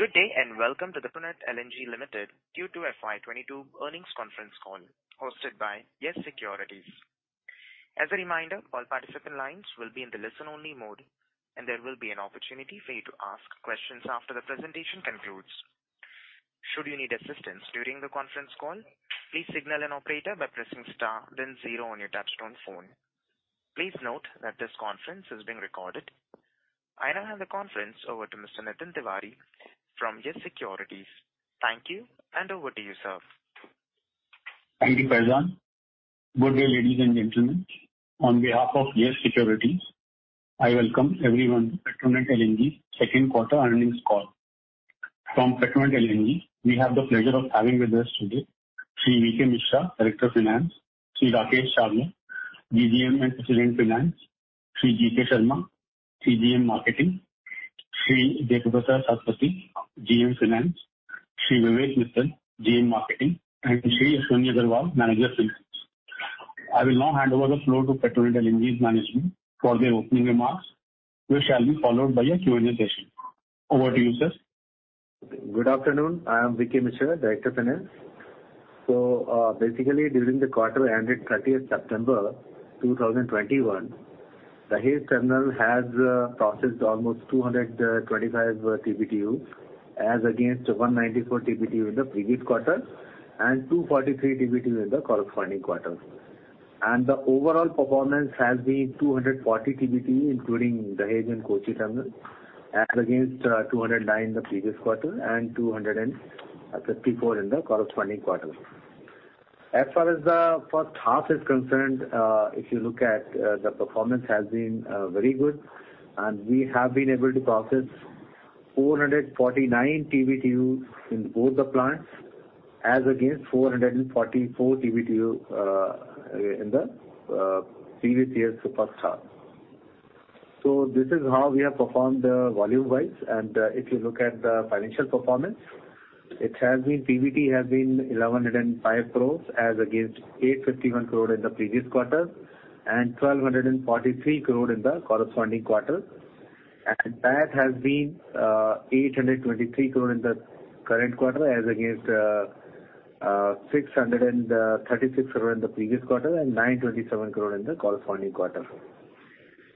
Good day and welcome to the Petronet LNG Limited Q2 FY2022 earnings conference call hosted by Yes Securities. As a reminder, all participant lines will be in the listen-only mode, and there will be an opportunity for you to ask questions after the presentation concludes. Should you need assistance during the conference call, please signal an operator by pressing star, then zero on your touch-tone phone. Please note that this conference is being recorded. I now hand the conference over to Mr. Nitin Tiwari from Yes Securities. Thank you, and over to you, sir. Thank you, Parizan. Good day, ladies and gentlemen. On behalf of YES Securities, I welcome everyone to Petronet LNG's second quarter earnings call. From Petronet LNG, we have the pleasure of having with us today: Sri V.K. Mishra, Director of Finance, Sri Rakesh Chhabra, CGM and President of Finance, Sri G.K. Sharma, CGM Marketing, Sri Jayaprakash Saraswat, GM Finance, Sri Vivek Mittal, GM Marketing, and Sri Ashwani Agarwal, Manager of Finance. I will now hand over the floor to Petronet LNG's management for their opening remarks, which shall be followed by a Q&A session. Over to you, sir. Good afternoon. I am V.K. Mishra, Director of Finance. Basically, during the quarter ended 30th September 2021, the Dahej Terminal has processed almost 225 TBTUs as against 194 TBTUs in the previous quarter and 243 TBTUs in the corresponding quarter. The overall performance has been 240 TBTUs, including the Dahej and Kochi Terminals, as against 209 in the previous quarter and 254 in the corresponding quarter. As far as the first half is concerned, if you look at the performance, it has been very good. We have been able to process 449 TBTUs in both the plants as against 444 TBTUs in the previous year's first half. This is how we have performed volume-wise. If you look at the financial performance, TBTU has been 1,105 crores as against 851 crores in the previous quarter and 1,243 crores in the corresponding quarter. PAT has been 823 crores in the current quarter as against 636 crores in the previous quarter and 927 crores in the corresponding quarter.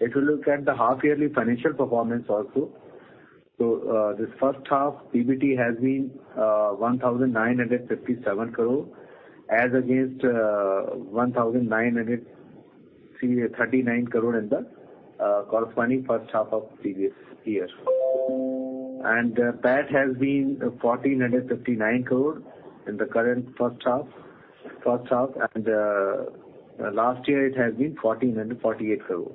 If you look at the half-yearly financial performance also, so this first half, TBTU has been 1,957 crores as against 1,939 crores in the corresponding first half of previous year. PAT has been 1,459 crores in the current first half, and last year, it has been 1,448 crores.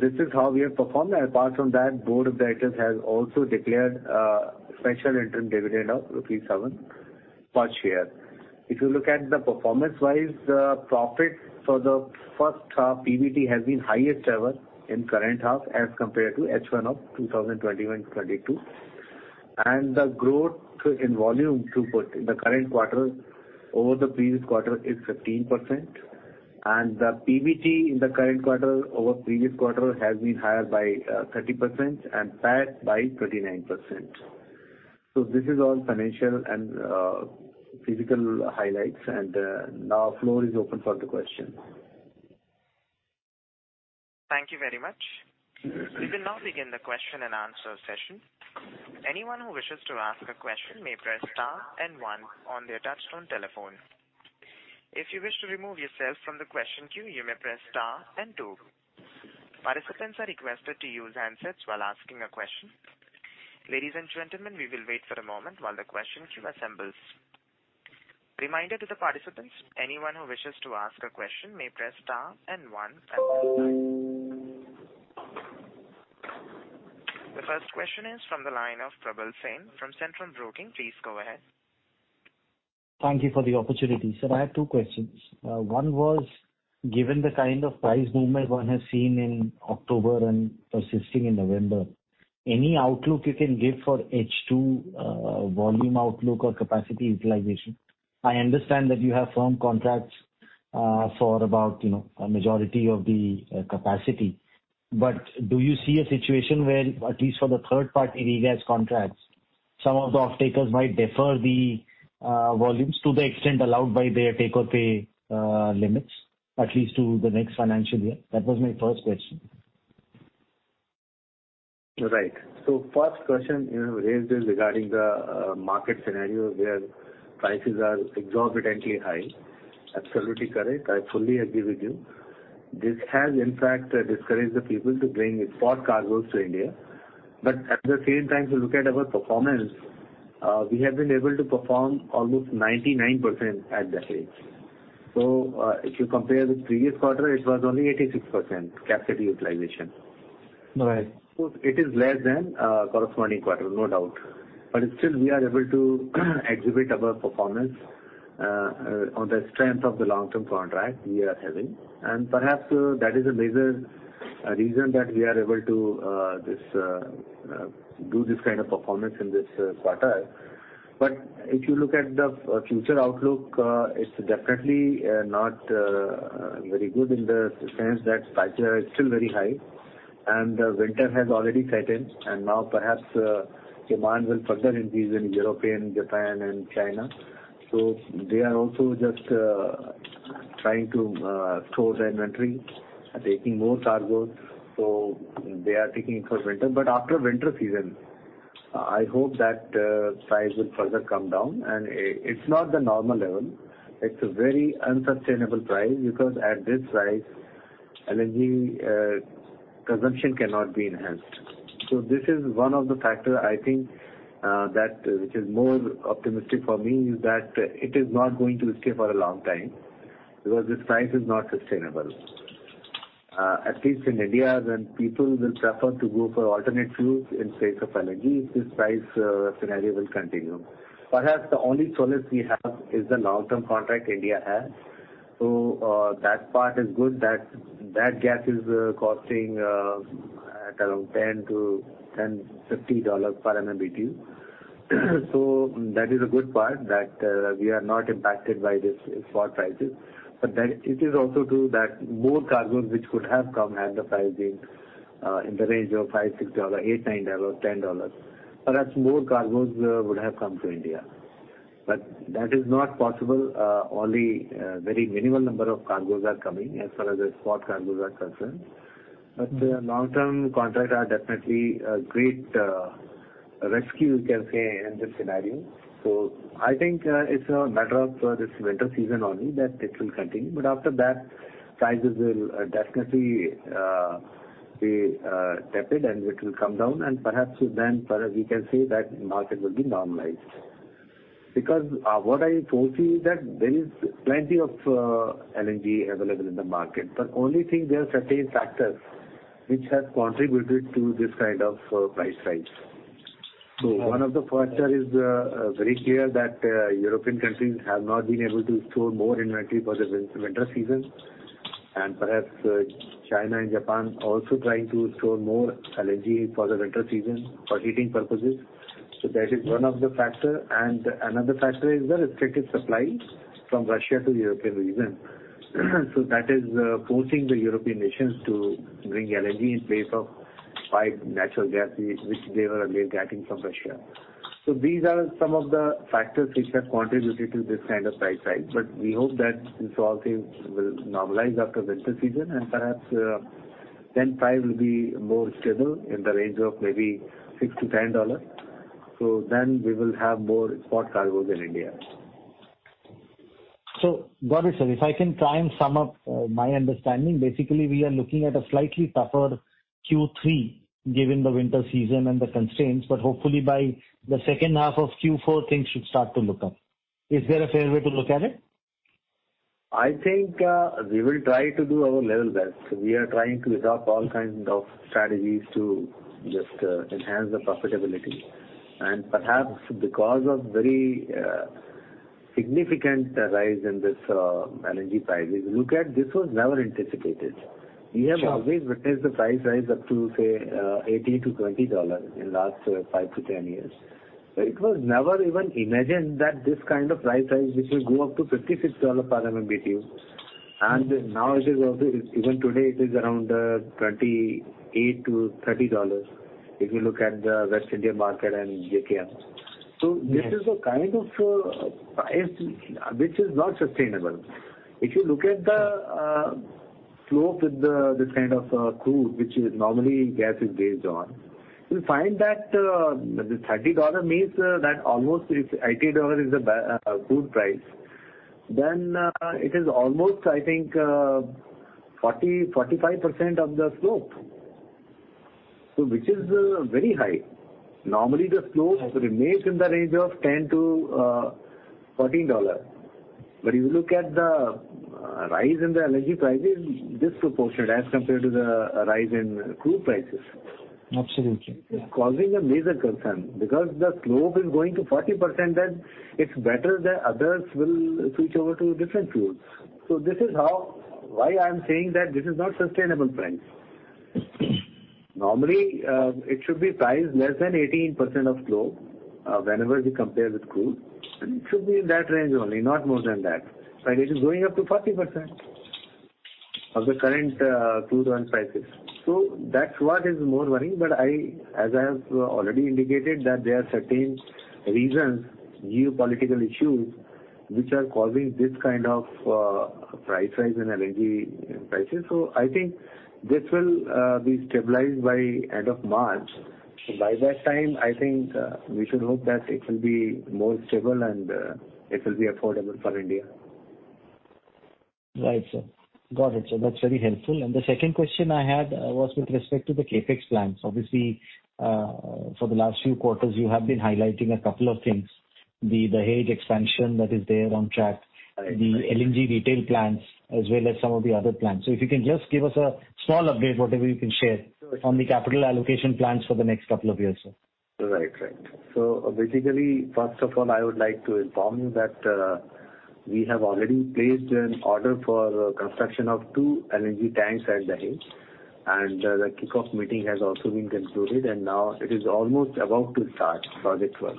This is how we have performed. Apart from that, the board of directors has also declared a special interim dividend of 7 per share. If you look at the performance-wise, the profit for the first half, TBTU, has been highest ever in the current half as compared to H1 of 2021-2022. The growth in volume in the current quarter over the previous quarter is 15%. The TBTU in the current quarter over the previous quarter has been higher by 30% and PAT by 39%. This is all financial and physical highlights. Now, the floor is open for the questions? Thank you very much. We will now begin the question-and-answer session. Anyone who wishes to ask a question may press star and one on their touch-tone telephone. If you wish to remove yourself from the question queue, you may press star and two. Participants are requested to use handsets while asking a question. Ladies and gentlemen, we will wait for a moment while the question queue assembles. Reminder to the participants: anyone who wishes to ask a question may press star and one at this time. The first question is from the line of Probal Sen from Centrum Broking. Please go ahead. Thank you for the opportunity, sir. I have two questions. One was, given the kind of price movement one has seen in October and persisting in November, any outlook you can give for H2 volume outlook or capacity utilization? I understand that you have firm contracts for about a majority of the capacity. But do you see a situation where, at least for the third-party regas contracts, some of the off-takers might defer the volumes to the extent allowed by their take-or-pay limits, at least to the next financial year? That was my first question. Right. So the first question you have raised is regarding the market scenario where prices are exorbitantly high. Absolutely correct. I fully agree with you. This has, in fact, discouraged the people to bring export cargoes to India. But at the same time, if you look at our performance, we have been able to perform almost 99% at Dahej. So if you compare with the previous quarter, it was only 86% capacity utilization. Of course, it is less than the corresponding quarter, no doubt. But still, we are able to exhibit our performance on the strength of the long-term contract we are having. And perhaps that is a major reason that we are able to do this kind of performance in this quarter. But if you look at the future outlook, it's definitely not very good in the sense that prices are still very high. The winter has already set in. Now, perhaps demand will further increase in Europe, Japan, and China. They are also just trying to store their inventory, taking more cargoes. They are taking it for winter. After the winter season, I hope that price will further come down. It's not the normal level. It's a very unsustainable price because, at this price, LNG consumption cannot be enhanced. This is one of the factors, I think, which is more optimistic for me, is that it is not going to stay for a long time because this price is not sustainable. At least in India, then people will prefer to go for alternate fuels in place of LNG if this price scenario will continue. Perhaps the only solace we have is the long-term contract India has. So that part is good that that gas is costing at around $10-$10.50 per MMBTU. So that is a good part that we are not impacted by these export prices. But it is also true that more cargoes, which could have come, had the price been in the range of $5-$6, $8-$9, $10. Perhaps more cargoes would have come to India. But that is not possible. Only a very minimal number of cargoes are coming as far as export cargoes are concerned. But long-term contracts are definitely a great rescue, you can say, in this scenario. So I think it's a matter of this winter season only that it will continue. But after that, prices will definitely be tepid, and it will come down. And perhaps then, we can say that the market will be normalized. Because what I foresee is that there is plenty of LNG available in the market. But the only thing, there are certain factors which have contributed to this kind of price rise. So one of the factors is very clear that European countries have not been able to store more inventory for the winter season. And perhaps China and Japan are also trying to store more LNG for the winter season for heating purposes. So that is one of the factors. And another factor is the restrictive supply from Russia to the European region. So that is forcing the European nations to bring LNG in place of piped natural gas, which they were getting from Russia. So these are some of the factors which have contributed to this kind of price rise. But we hope that this all will normalize after the winter season. Perhaps then, price will be more stable in the range of maybe $6-$10. So then we will have more export cargoes in India. Broadly, if I can try and sum up my understanding, basically, we are looking at a slightly tougher Q3 given the winter season and the constraints. But hopefully, by the second half of Q4, things should start to look up. Is there a fair way to look at it? I think we will try to do our level best. We are trying to adopt all kinds of strategies to just enhance the profitability. And perhaps because of a very significant rise in this LNG price, if you look at it, this was never anticipated. We have always witnessed the price rise up to, say, $18-$20 in the last five to 10 years. But it was never even imagined that this kind of price rise, which will go up to $56 per MMBTU. And now, even today, it is around $28-$30 if you look at the West India market and JKM. So this is the kind of price which is not sustainable. If you look at the flow with this kind of crude, which normally gas is based on, you'll find that the $30 means that almost if $80 is the crude price, then it is almost, I think, 40%-45% of the slope, which is very high. Normally, the slope remains in the range of $10-$14. But if you look at the rise in the LNG prices, it's disproportionate as compared to the rise in crude prices. Absolutely. This is causing a major concern because the slope is going to 40%. Then it's better that others will switch over to different fuels. So this is why I am saying that this is not sustainable price. Normally, it should be priced less than 18% of the slope whenever you compare with crude. And it should be in that range only, not more than that. But it is going up to 40% of the current crude oil prices. So that's what is more worrying. But as I have already indicated, there are certain reasons, geopolitical issues, which are causing this kind of price rise in LNG prices. So I think this will be stabilized by the end of March. So by that time, I think we should hope that it will be more stable, and it will be affordable for India. Right, sir. Got it, sir. That's very helpful. And the second question I had was with respect to the CapEx plans. Obviously, for the last few quarters, you have been highlighting a couple of things: the Dahej expansion that is there on track, the LNG retail plants, as well as some of the other plants. So if you can just give us a small update, whatever you can share on the capital allocation plans for the next couple of years, sir. Right, right. So basically, first of all, I would like to inform you that we have already placed an order for construction of two LNG tanks at the Dahej. And the kickoff meeting has also been concluded. And now, it is almost about to start project work.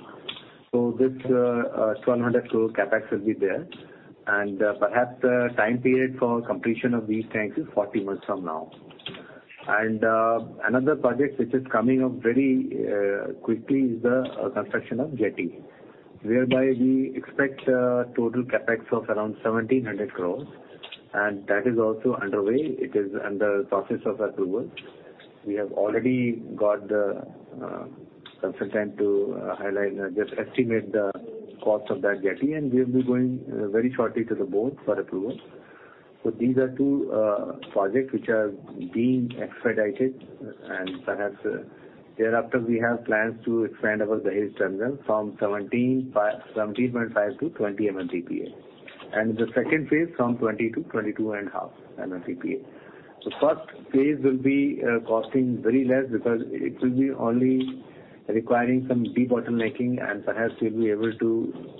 So this 1,200 crore CapEx will be there. And perhaps the time period for completion of these tanks is 40 months from now. And another project which is coming up very quickly is the construction of jetty, whereby we expect total CapEx of around 1,700 crores. And that is also underway. It is in the process of approval. We have already got the consultant to just estimate the cost of that jetty. And we will be going very shortly to the board for approval. So these are two projects which are being expedited. Perhaps thereafter, we have plans to expand our Dahej terminal from 17.5-20 MMTPA. And the phase II from 20-22.5 MMTPA. The phase I will be costing very less because it will be only requiring some de-bottlenecking. And perhaps we'll be able to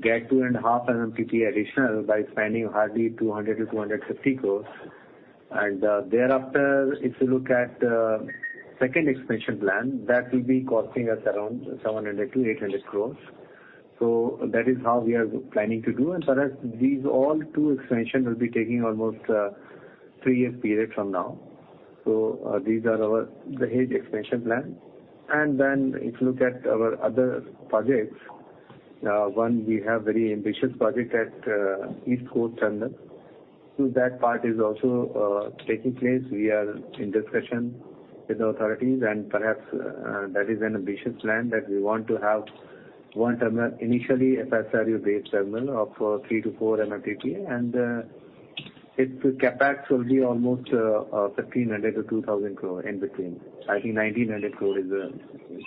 get 2.5 MMTPA additional by spending hardly 200-250 crore. And thereafter, if you look at the second expansion plan, that will be costing us around 700-800 crore. So that is how we are planning to do. And perhaps these all two expansions will be taking almost a three-year period from now. So these are the Dahej expansion plans. And then, if you look at our other projects, one, we have a very ambitious project at the East Coast terminal. So that part is also taking place. We are in ddiscussion with the authorities. Perhaps that is an ambitious plan that we want to have one terminal, initially a FSRU-based terminal of 3-4 MMTPA. Its CapEx will be almost 1,500 crore-2,000 crore in between. I think 1,900 crore is the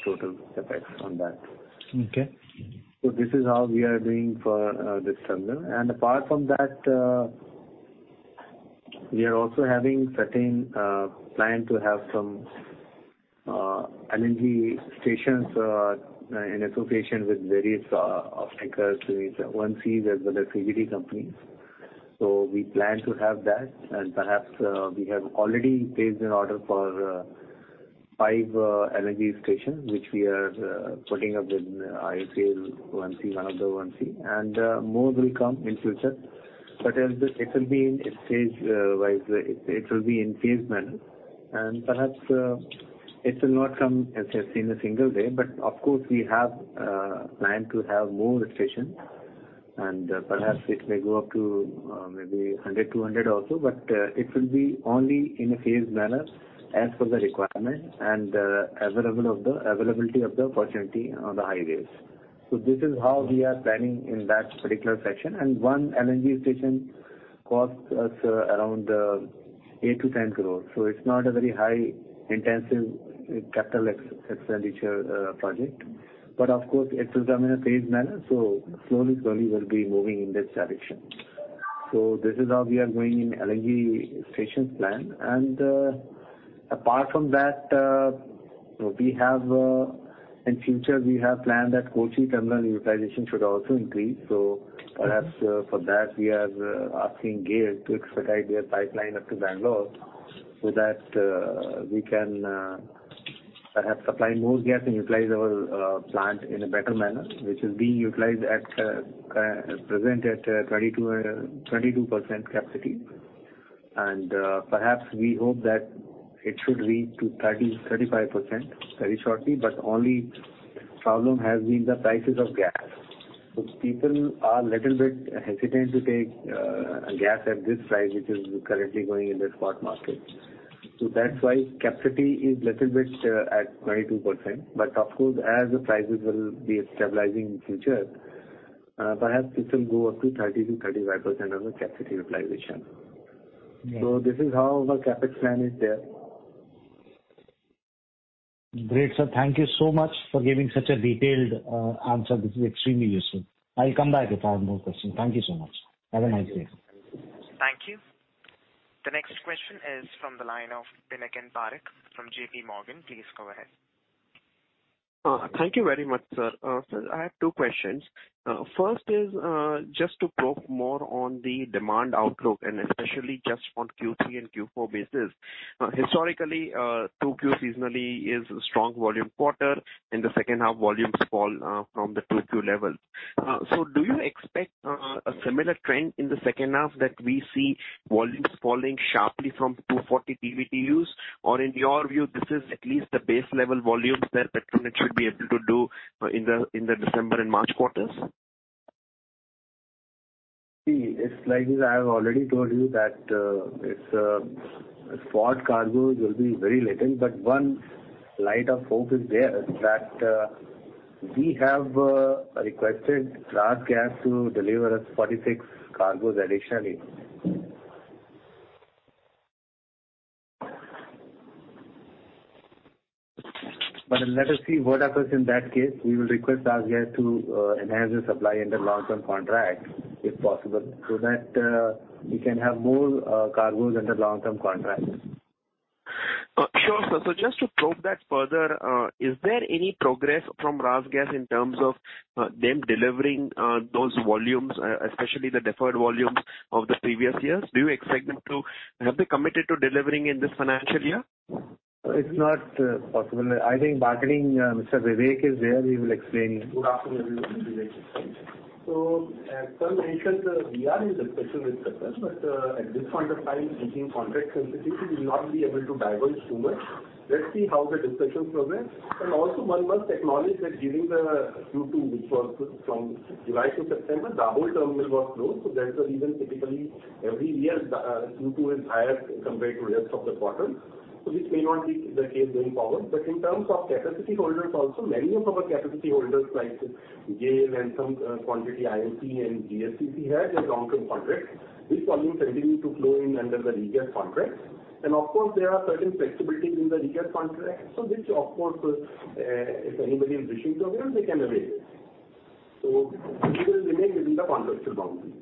total CapEx on that. This is how we are doing for this terminal. Apart from that, we are also having a certain plan to have some LNG stations in association with various off-takers, which means ONGC as well as CGD companies. We plan to have that. Perhaps we have already placed an order for five LNG stations, which we are putting up with IOCL ONGC, one of the ONGC. More will come in the future. But it will be in phase-wise. It will be in phased manner. Perhaps it will not come in a single day. Of course, we have planned to have more stations. Perhaps it may go up to maybe 100, 200 also. It will be only in a phased manner as per the requirement and availability of the opportunity on the highways. This is how we are planning in that particular section. One LNG station costs us around 8 crores-10 crores. It's not a very high-intensive capital expenditure project. Of course, it will come in a phased manner. Slowly, slowly, we'll be moving in this direction. This is how we are going in LNG stations plan. Apart from that, in the future, we have planned that Kochi terminal utilization should also increase. So perhaps for that, we are asking GAIL to expedite their pipeline up to Bangalore so that we can perhaps supply more gas and utilize our plant in a better manner, which is being utilized at present at 22% capacity. And perhaps we hope that it should reach to 30%-35% very shortly. But the only problem has been the prices of gas. So people are a little bit hesitant to take gas at this price, which is currently going in the spot market. So that's why capacity is a little bit at 22%. But of course, as the prices will be stabilizing in the future, perhaps this will go up to 30%-35% of the capacity utilization. So this is how our CapEx plan is there. Great, sir. Thank you so much for giving such a detailed answer. This is extremely useful. I'll come back if I have more questions. Thank you so much. Have a nice day. Thank you. The next question is from the line of Pinakin Parekh from JPMorgan. Please go ahead. Thank you very much, sir. Sir, I have two questions. First is just to probe more on the demand outlook, and especially just on Q3 and Q4 basis. Historically, 2Q seasonally is a strong volume quarter. In the second half, volumes fall from the 2Q level. So do you expect a similar trend in the second half that we see volumes falling sharply from 240 TBTUs? Or in your view, this is at least the base-level volume that Petronet should be able to do in the December and March quarters? See, it's like I have already told you that export cargoes will be very little. But one light of hope is there that we have requested RasGas to deliver us 46 cargoes additionally. But let us see what happens in that case. We will request RasGas to enhance the supply under long-term contract if possible so that we can have more cargoes under long-term contract. Sure, sir. So just to probe that further, is there any progress from RasGas in terms of them delivering those volumes, especially the deferred volumes of the previous years? Do you expect them to have committed to delivering in this financial year? It's not possible. I think marketing, Mr. Vivek, is there. He will explain it. Good afternoon, everyone. Vivek, please. So as Sir mentioned, we are in discussion with Petronet. But at this point of time, speaking contract sensitively, we will not be able to diverge too much. Let's see how the discussions progress. And also, one must acknowledge that given the Q2, which was from July to September, the whole terminal was closed. So that's the reason typically, every year, Q2 is higher compared to the rest of the quarter. So this may not be the case going forward. But in terms of capacity holders also, many of our capacity holders like GAIL and some quantity IOCL and GSPC have their long-term contracts. These volumes continue to flow in under the regas contracts. And of course, there are certain flexibilities in the regas contracts. So which, of course, if anybody is wishing to avail it, they can avail it. So we will remain within the contractual boundaries.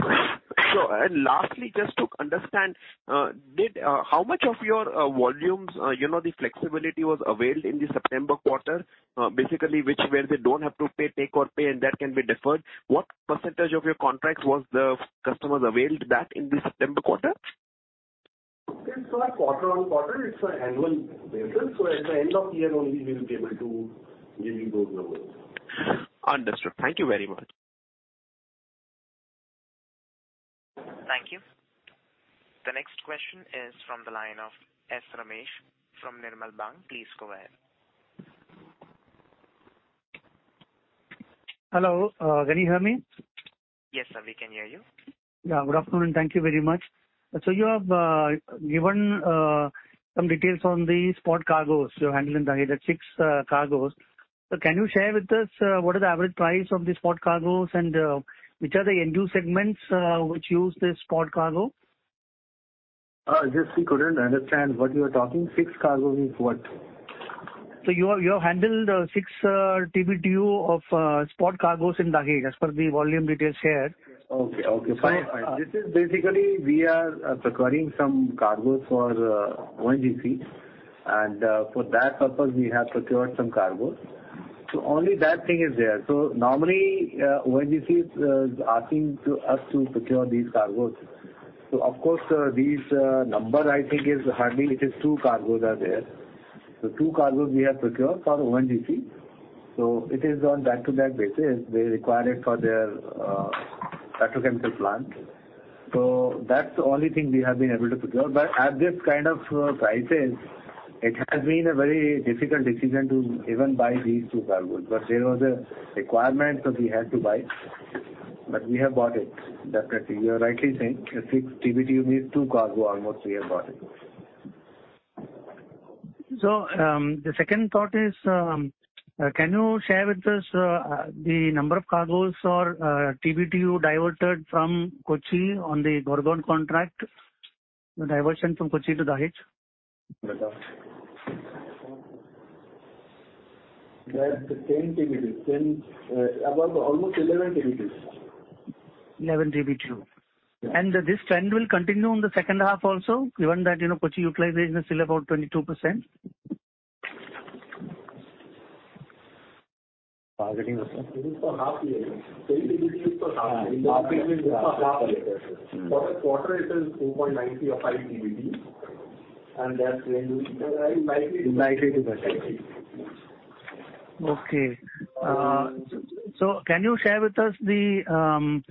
Sir, lastly, just to understand, how much of your volumes the flexibility was availed in the September quarter, basically where they don't have to take or pay, and that can be deferred? What percentage of your contracts was the customers availed that in the September quarter? It's not quarter-over-quarter. It's an annual basis. So at the end of the year only, we will be able to give you those numbers. Understood. Thank you very much. Thank you. The next question is from the line of S. Ramesh from Nirmal Bang. Please go ahead. Hello. Can you hear me? Yes, sir. We can hear you. Yeah. Good afternoon. Thank you very much. So you have given some details on the spot cargoes you're handling, Dahej. That's six cargoes. So can you share with us what is the average price of the spot cargoes and which are the ONGC segments which use this spot cargo? Just see, couldn't understand what you are talking. 6 cargoes is what? You have handled six TBTUs of spot cargoes in Dahej, as per the volume details shared. Okay, okay. Fine. This is basically we are procuring some cargo for ONGC. And for that purpose, we have procured some cargo. So only that thing is there. So normally, ONGC is asking us to procure these cargoes. So of course, this number, I think, is hardly it is two cargoes are there. So two cargoes we have procured for ONGC. So it is on back-to-back basis. They require it for their petrochemical plant. So that's the only thing we have been able to procure. But at this kind of prices, it has been a very difficult decision to even buy these two cargoes. But there was a requirement, so we had to buy. But we have bought it, definitely. You are rightly saying. 6 TBTU means two cargo almost we have bought it. So the second thought is, can you share with us the number of cargoes or TBTU diverted from Kochi on the Gorgon contract, the diversion from Kochi to Dahej? That's the same TBTU. About almost 11 TBTUs. 11 TBTUs. And this trend will continue in the second half also, given that Kochi utilization is still about 22%? Targeting the same? This is for half year, right? Same TBTUs for half year. In the market, it's for half year. For the quarter, it is 2.90 or 5 TBTUs. That trend will likely be better. Okay. So can you share with us the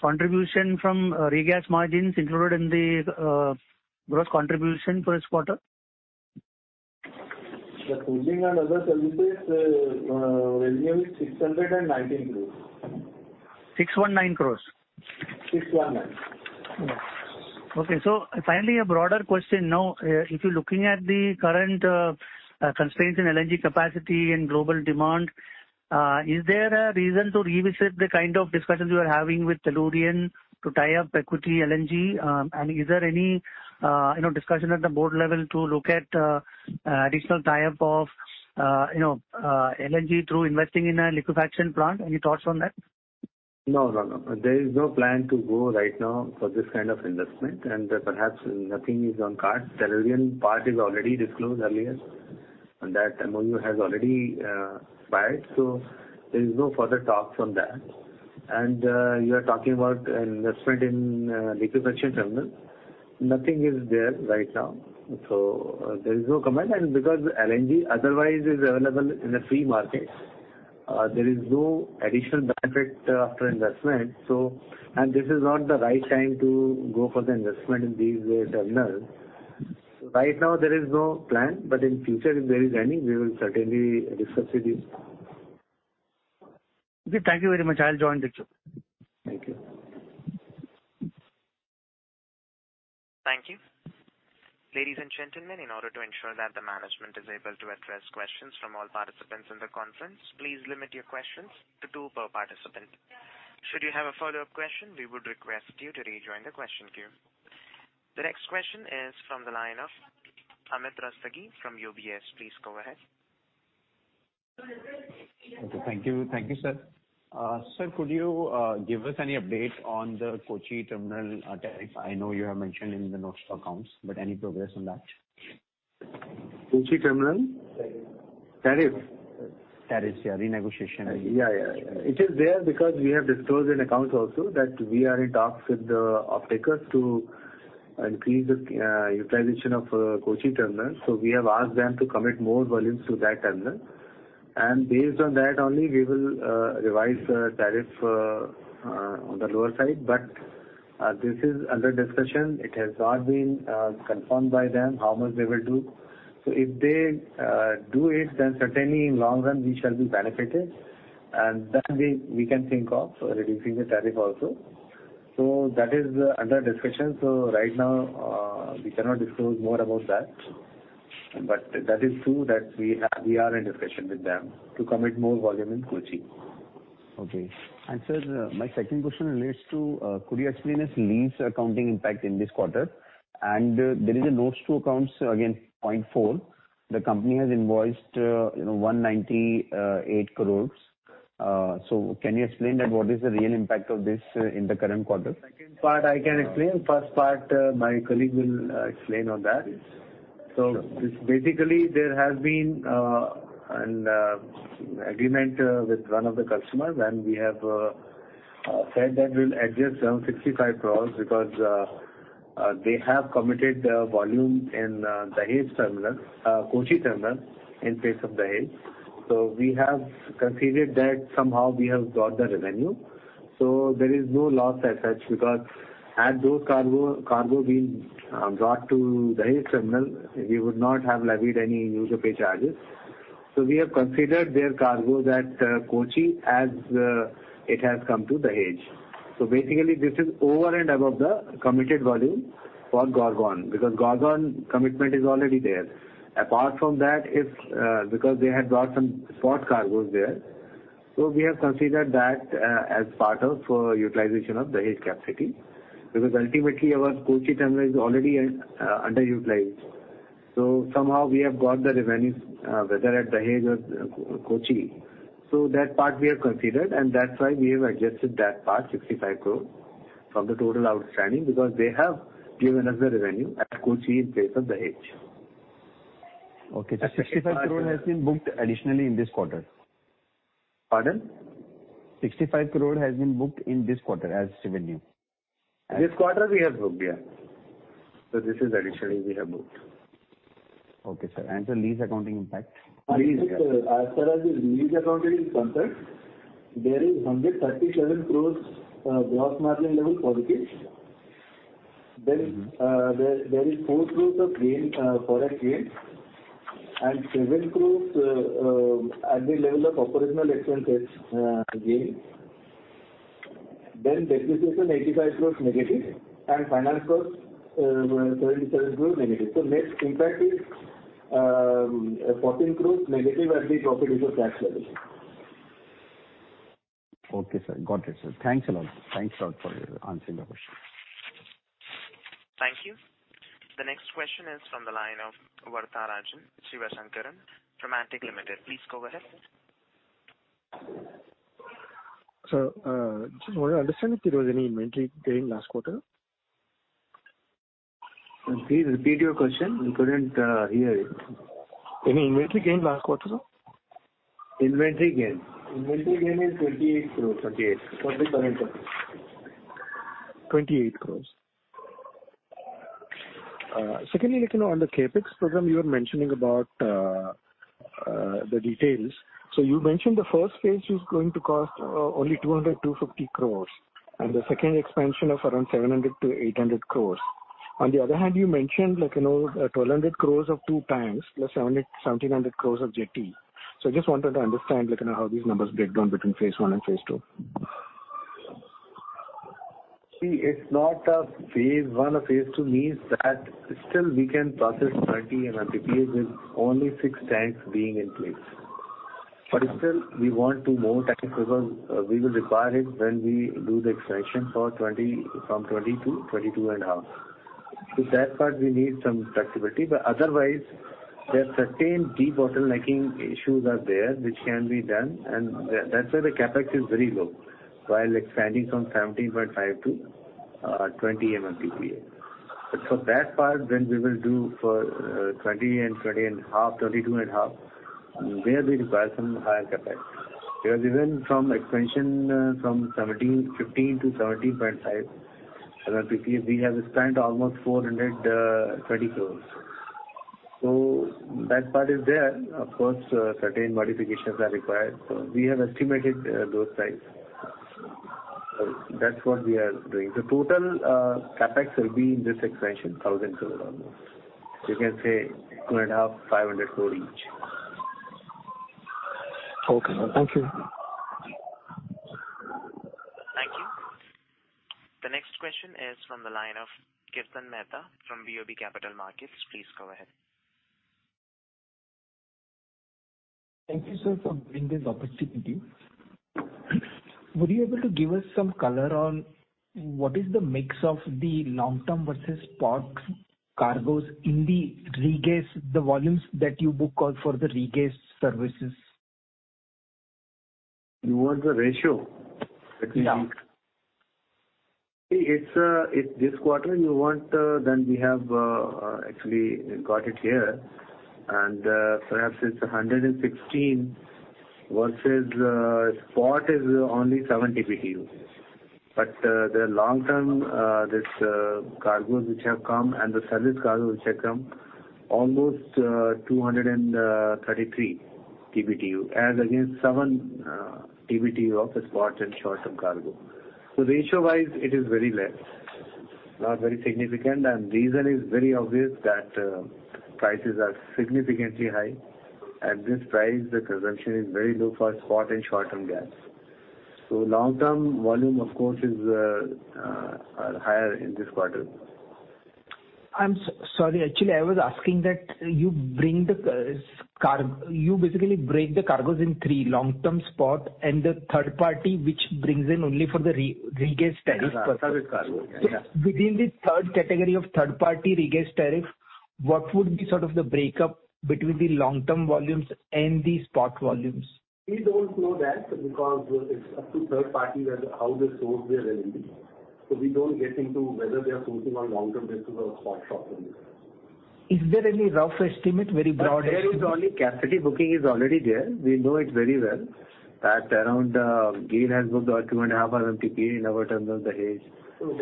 contribution from regas margins included in the gross contribution for this quarter? The cooling and other services revenue is 619 crore. 619 crores? 619. Okay. So finally, a broader question now. If you're looking at the current constraints in LNG capacity and global demand, is there a reason to revisit the kind of discussions you are having with Tellurian to tie up equity LNG? And is there any discussion at the board level to look at additional tie-up of LNG through investing in a liquefaction plant? Any thoughts on that? No, no, no. There is no plan to go right now for this kind of investment. Perhaps nothing is on the cards. Tellurian part is already disclosed earlier. That MOU has already expired. So there is no further talks on that. You are talking about investment in liquefaction terminal. Nothing is there right now. So there is no commitment. Because LNG otherwise is available in a free market, there is no additional benefit after investment. This is not the right time to go for the investment in these terminals. So right now, there is no plan. But in the future, if there is any, we will certainly discuss it. Okay. Thank you very much. I'll join with you. Thank you. Thank you. Ladies and gentlemen, in order to ensure that the management is able to address questions from all participants in the conference, please limit your questions to two per participant. Should you have a follow-up question, we would request you to rejoin the question queue. The next question is from the line of Amit Rustagi from UBS. Please go ahead. Okay. Thank you. Thank you, sir. Sir, could you give us any update on the Kochi terminal tariff? I know you have mentioned in the notes for accounts. But any progress on that? Kochi terminal? Tariff. Tariff. Tariff, yeah. Renegotiation. Yeah, yeah, yeah. It is there because we have disclosed in accounts also that we are in talks with the off-takers to increase the utilization of Kochi terminal. So we have asked them to commit more volumes to that terminal. And based on that only, we will revise the tariff on the lower side. But this is under discussion. It has not been confirmed by them how much they will do. So if they do it, then certainly, in the long run, we shall be benefited. And then we can think of reducing the tariff also. So that is under discussion. So right now, we cannot disclose more about that. But that is true that we are in discussion with them to commit more volume in Kochi. Okay. Sir, my second question relates to could you explain its lease accounting impact in this quarter? There is a notes to accounts against point four. The company has invoiced 198 crore. Can you explain that? What is the real impact of this in the current quarter? Second part, I can explain. First part, my colleague will explain on that. So basically, there has been an agreement with one of the customers. And we have said that we'll adjust some 65 crore because they have committed volume in the Dahej terminal, Kochi terminal, in place of the Dahej. So we have considered that somehow we have got the revenue. So there is no loss as such because had those cargoes been brought to the Dahej terminal, we would not have levied any use or pay charges. So we have considered their cargoes at Kochi as it has come to the Dahej. So basically, this is over and above the committed volume for Gorgon because Gorgon commitment is already there. Apart from that, because they had brought some spot cargoes there, so we have considered that as part of utilization of the Dahej capacity because ultimately, our Kochi terminal is already underutilized. So somehow, we have got the revenues, whether at the Dahej or Kochi. So that part, we have considered. And that's why we have adjusted that part, 65 crore, from the total outstanding because they have given us the revenue at Kochi in place of the Dahej. Okay. So 65 crore has been booked additionally in this quarter? Pardon? 65 crore has been booked in this quarter as revenue. This quarter, we have booked, yeah. So this is additionally we have booked. Okay, sir. And the lease accounting impact? Yes, sir. As far as lease accounting is concerned, there is 137 crore gross margin level positive. Then there is 4 crore of foreign gain and 7 crore at the level of operational expenses gain. Then depreciation, 85 crore negative. And finance costs, 77 crore negative. So net impact is 14 crore negative at the profit before tax level. Okay, sir. Got it, sir. Thanks a lot. Thanks a lot for answering the question. Thank you. The next question is from the line of Varatharajan Sivasankaran from Antique Stock Broking Limited. Please go ahead. Sir, just want to understand if there was any inventory gain last quarter? Please repeat your question. We couldn't hear it. Any inventory gain last quarter, sir? Inventory gain. Inventory gain is 28 crore. 28. For the current quarter. 28 crore. Secondly, on the CapEx program, you were mentioning about the details. So you mentioned the phase I is going to cost only 200-250 crore and the second expansion of around 700 crore-800 crore. On the other hand, you mentioned 1,200 crore of two tanks plus 1,700 crore of jetty. So I just wanted to understand how these numbers break down between phase I and phase II. See, it's not a phase I. A phase II means that still, we can process 20 MLPPs with only six tanks being in place. But still, we want two more tanks because we will require it when we do the expansion from 22-22.5. So that part, we need some flexibility. But otherwise, there are certain deep debottlenecking issues that are there which can be done. And that's why the CapEx is very low while expanding from 17.5-20 MLPPs. But for that part, then we will do for 20-20.5, 22.5, there we require some higher CapEx. Because even from expansion from 15-17.5 MLPPs, we have spent almost 420 crore. So that part is there. Of course, certain modifications are required. So we have estimated those prices. So that's what we are doing. The total CapEx will be in this expansion, 1,000 crore almost. You can say two and a half, 500 crore each. Okay. Thank you. Thank you. The next question is from the line of Kirtan Mehta from BOB Capital Markets. Please go ahead. Thank you, sir, for bringing this opportunity. Would you be able to give us some color on what is the mix of the long-term versus spot cargoes in the regas, the volumes that you book for the regas services? You want the ratio? Yeah. See, this quarter you want, then we have actually got it here. Perhaps it's 116 versus spot is only 7 TBTUs. But the long-term, these cargoes which have come and the service cargo which have come, almost 233 TBTUs as against 7 TBTUs of spot and short-term cargo. So ratio-wise, it is very less, not very significant. The reason is very obvious that prices are significantly high. At this price, the consumption is very low for spot and short-term gas. So long-term volume, of course, is higher in this quarter. I'm sorry. Actually, I was asking that you basically break the cargoes in three: long-term, spot, and the third party which brings in only for the regas tariff. Service cargoes, yeah. So within the third category of third-party regas tariff, what would be sort of the breakup between the long-term volumes and the spot volumes? We don't know that because it's up to third parties how they source their LNG. So we don't get into whether they are sourcing on long-term basis or spot short-term basis. Is there any rough estimate, very broad estimate? There is only capacity booking is already there. We know it very well that around GSPC has booked about 2.5 MMTPA in our terminal, Dahej.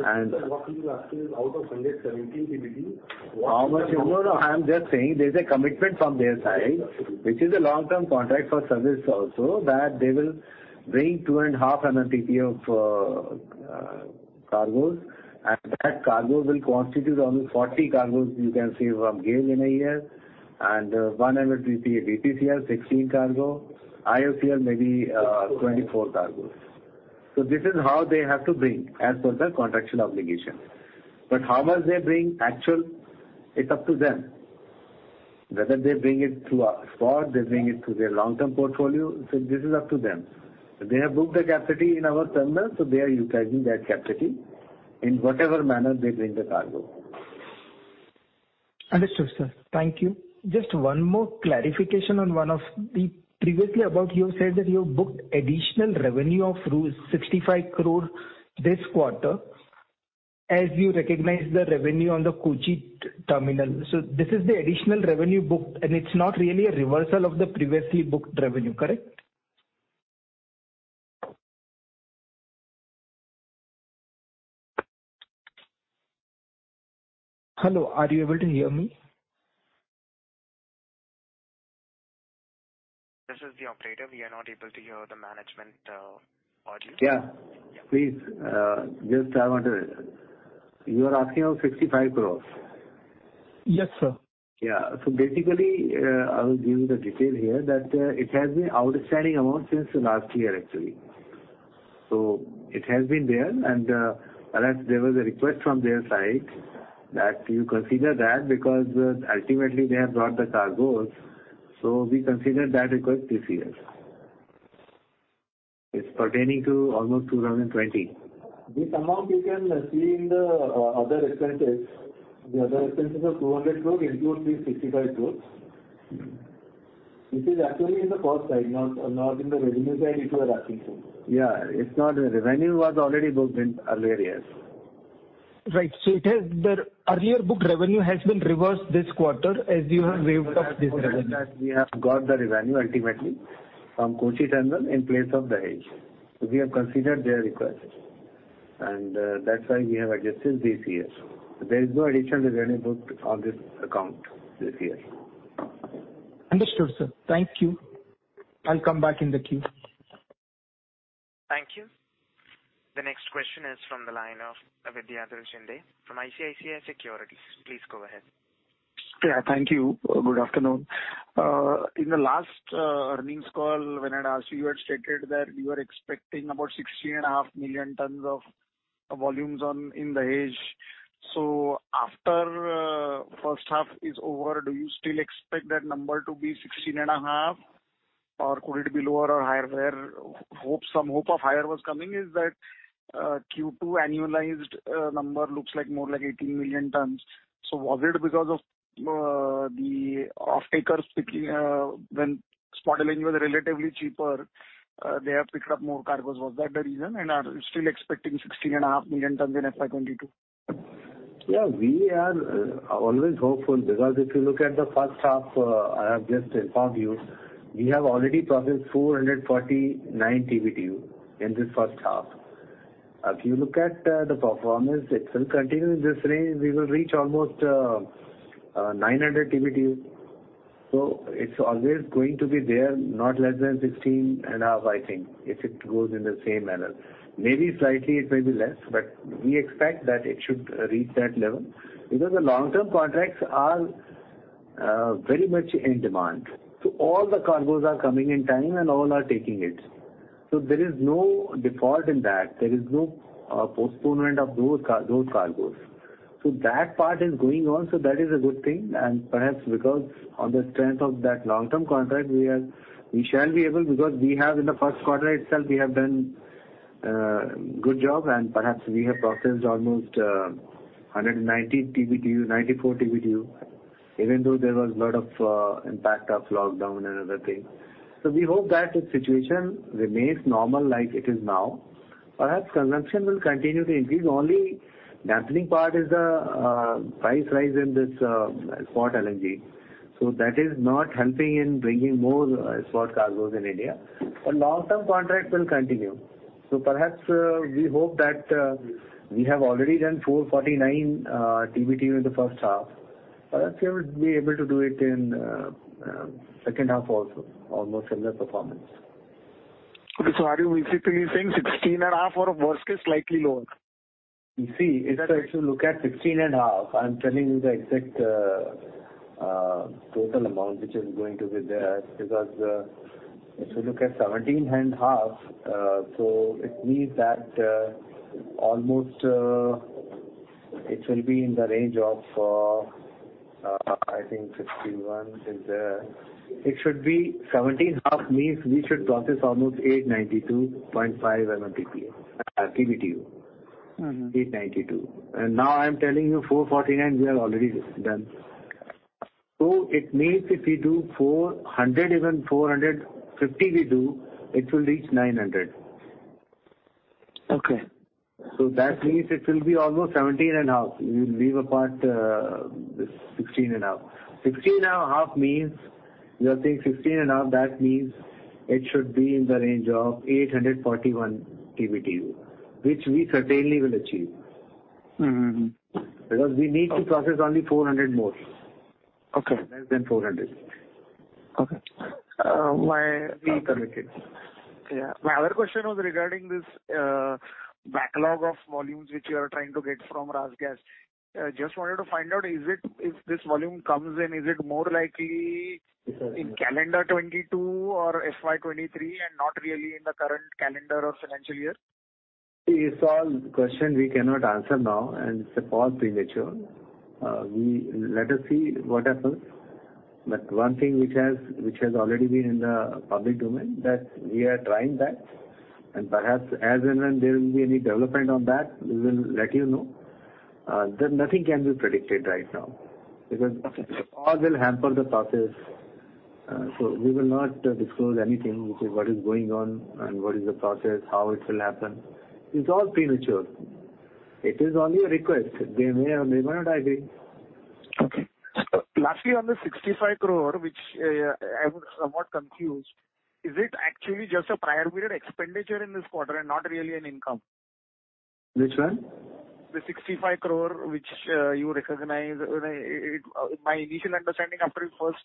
And. Okay. So what you're asking is out of 117 TBTUs, what is the. No, no. I'm just saying there's a commitment from their side which is a long-term contract for service also that they will bring 2.5 MMTPA of cargoes. That cargo will constitute only 40 cargoes you can save from GSPC in a year and 100 MMTPA BPCL, 16 cargo. IOCL, maybe 24 cargoes. So this is how they have to bring as per the contractual obligation. But how much they bring actual, it's up to them. Whether they bring it through spot, they bring it through their long-term portfolio, so this is up to them. They have booked the capacity in our terminal. So they are utilizing that capacity in whatever manner they bring the cargo. Understood, sir. Thank you. Just one more clarification on one of the previously about you said that you booked additional revenue of rupees 65 crore this quarter as you recognize the revenue on the Kochi terminal. So this is the additional revenue booked. And it's not really a reversal of the previously booked revenue, correct? Hello. Are you able to hear me? This is the operator. We are not able to hear the management audio. Yeah. Please. Just I want to you are asking about 65 crore? Yes, sir. Yeah. So basically, I will give you the detail here that it has been outstanding amount since last year, actually. So it has been there. And there was a request from their side that you consider that because ultimately, they have brought the cargoes. So we considered that request this year. It's pertaining to almost 2020. This amount, you can see in the other expenses. The other expenses of 200 crores include these 65 crores. This is actually in the cost side, not in the revenue side if you are asking for. Yeah. It's not. The revenue was already booked in earlier years. Right. So the earlier booked revenue has been reversed this quarter as you have waived off this revenue? Because we have got the revenue ultimately from Kochi terminal in place of Dahej. So we have considered their request. And that's why we have adjusted this year. There is no additional revenue booked on this account this year. Understood, sir. Thank you. I'll come back in the queue. Thank you. The next question is from the line of Vidyadhar Ginde from ICICI Securities. Please go ahead. Yeah. Thank you. Good afternoon. In the last earnings call, when I had asked you, you had stated that you were expecting about 16.5 million tons of volumes in Dahej. So after first half is over, do you still expect that number to be 16.5? Or could it be lower or higher? Some hope of higher was coming is that Q2 annualized number looks like more like 18 million tons. So was it because of the off-takers picking when spot LNG was relatively cheaper, they have picked up more cargoes? Was that the reason? And are you still expecting 16.5 million tons in FY 2022? Yeah. We are always hopeful because if you look at the first half, I have just informed you, we have already processed 449 TBTUs in this first half. If you look at the performance, it will continue in this range. We will reach almost 900 TBTUs. So it's always going to be there, not less than 16.5, I think, if it goes in the same manner. Maybe slightly, it may be less. But we expect that it should reach that level because the long-term contracts are very much in demand. So all the cargoes are coming in time, and all are taking it. So there is no default in that. There is no postponement of those cargoes. So that part is going on. So that is a good thing. Perhaps because on the strength of that long-term contract, we shall be able because in the first quarter itself, we have done a good job. Perhaps we have processed almost 190 TBTUs, 94 TBTUs, even though there was a lot of impact of lockdown and other things. We hope that the situation remains normal like it is now. Perhaps consumption will continue to increase. The only dampening part is the price rise in this spot LNG. That is not helping in bringing more spot cargoes in India. Long-term contract will continue. Perhaps we hope that we have already done 449 TBTUs in the first half. Perhaps we will be able to do it in the second half also, almost similar performance. Okay. So are you basically saying 16.5 or worst case, slightly lower? You see, if you look at 16.5, I'm telling you the exact total amount which is going to be there because if you look at 17.5, so it means that almost it will be in the range of, I think, 51 is there. It should be 17.5 means we should process almost 892.5 TBTUs. 892. And now I'm telling you 449, we are already done. So it means if we do 400, even 450 we do, it will reach 900. So that means it will be almost 17.5. You leave apart 16.5. 16.5 means you are saying 16.5, that means it should be in the range of 841 TBTUs which we certainly will achieve because we need to process only 400 more, less than 400. Okay. Why? We are committed. Yeah. My other question was regarding this backlog of volumes which you are trying to get from RasGas. I just wanted to find out, if this volume comes in, is it more likely in calendar 2022 or FY 2023 and not really in the current calendar or financial year? It's all questions we cannot answer now. And it's a bit premature. Let us see what happens. But one thing which has already been in the public domain, we are trying that. And perhaps as and when there will be any development on that, we will let you know. Nothing can be predicted right now because all will hamper the process. So we will not disclose anything which is what is going on and what is the process, how it will happen. It's all premature. It is only a request. They may or they may not agree. Okay. Lastly, on the 65 crore which I was somewhat confused, is it actually just a prior-period expenditure in this quarter and not really an income? Which one? The 65 crore which you recognize. My initial understanding after you first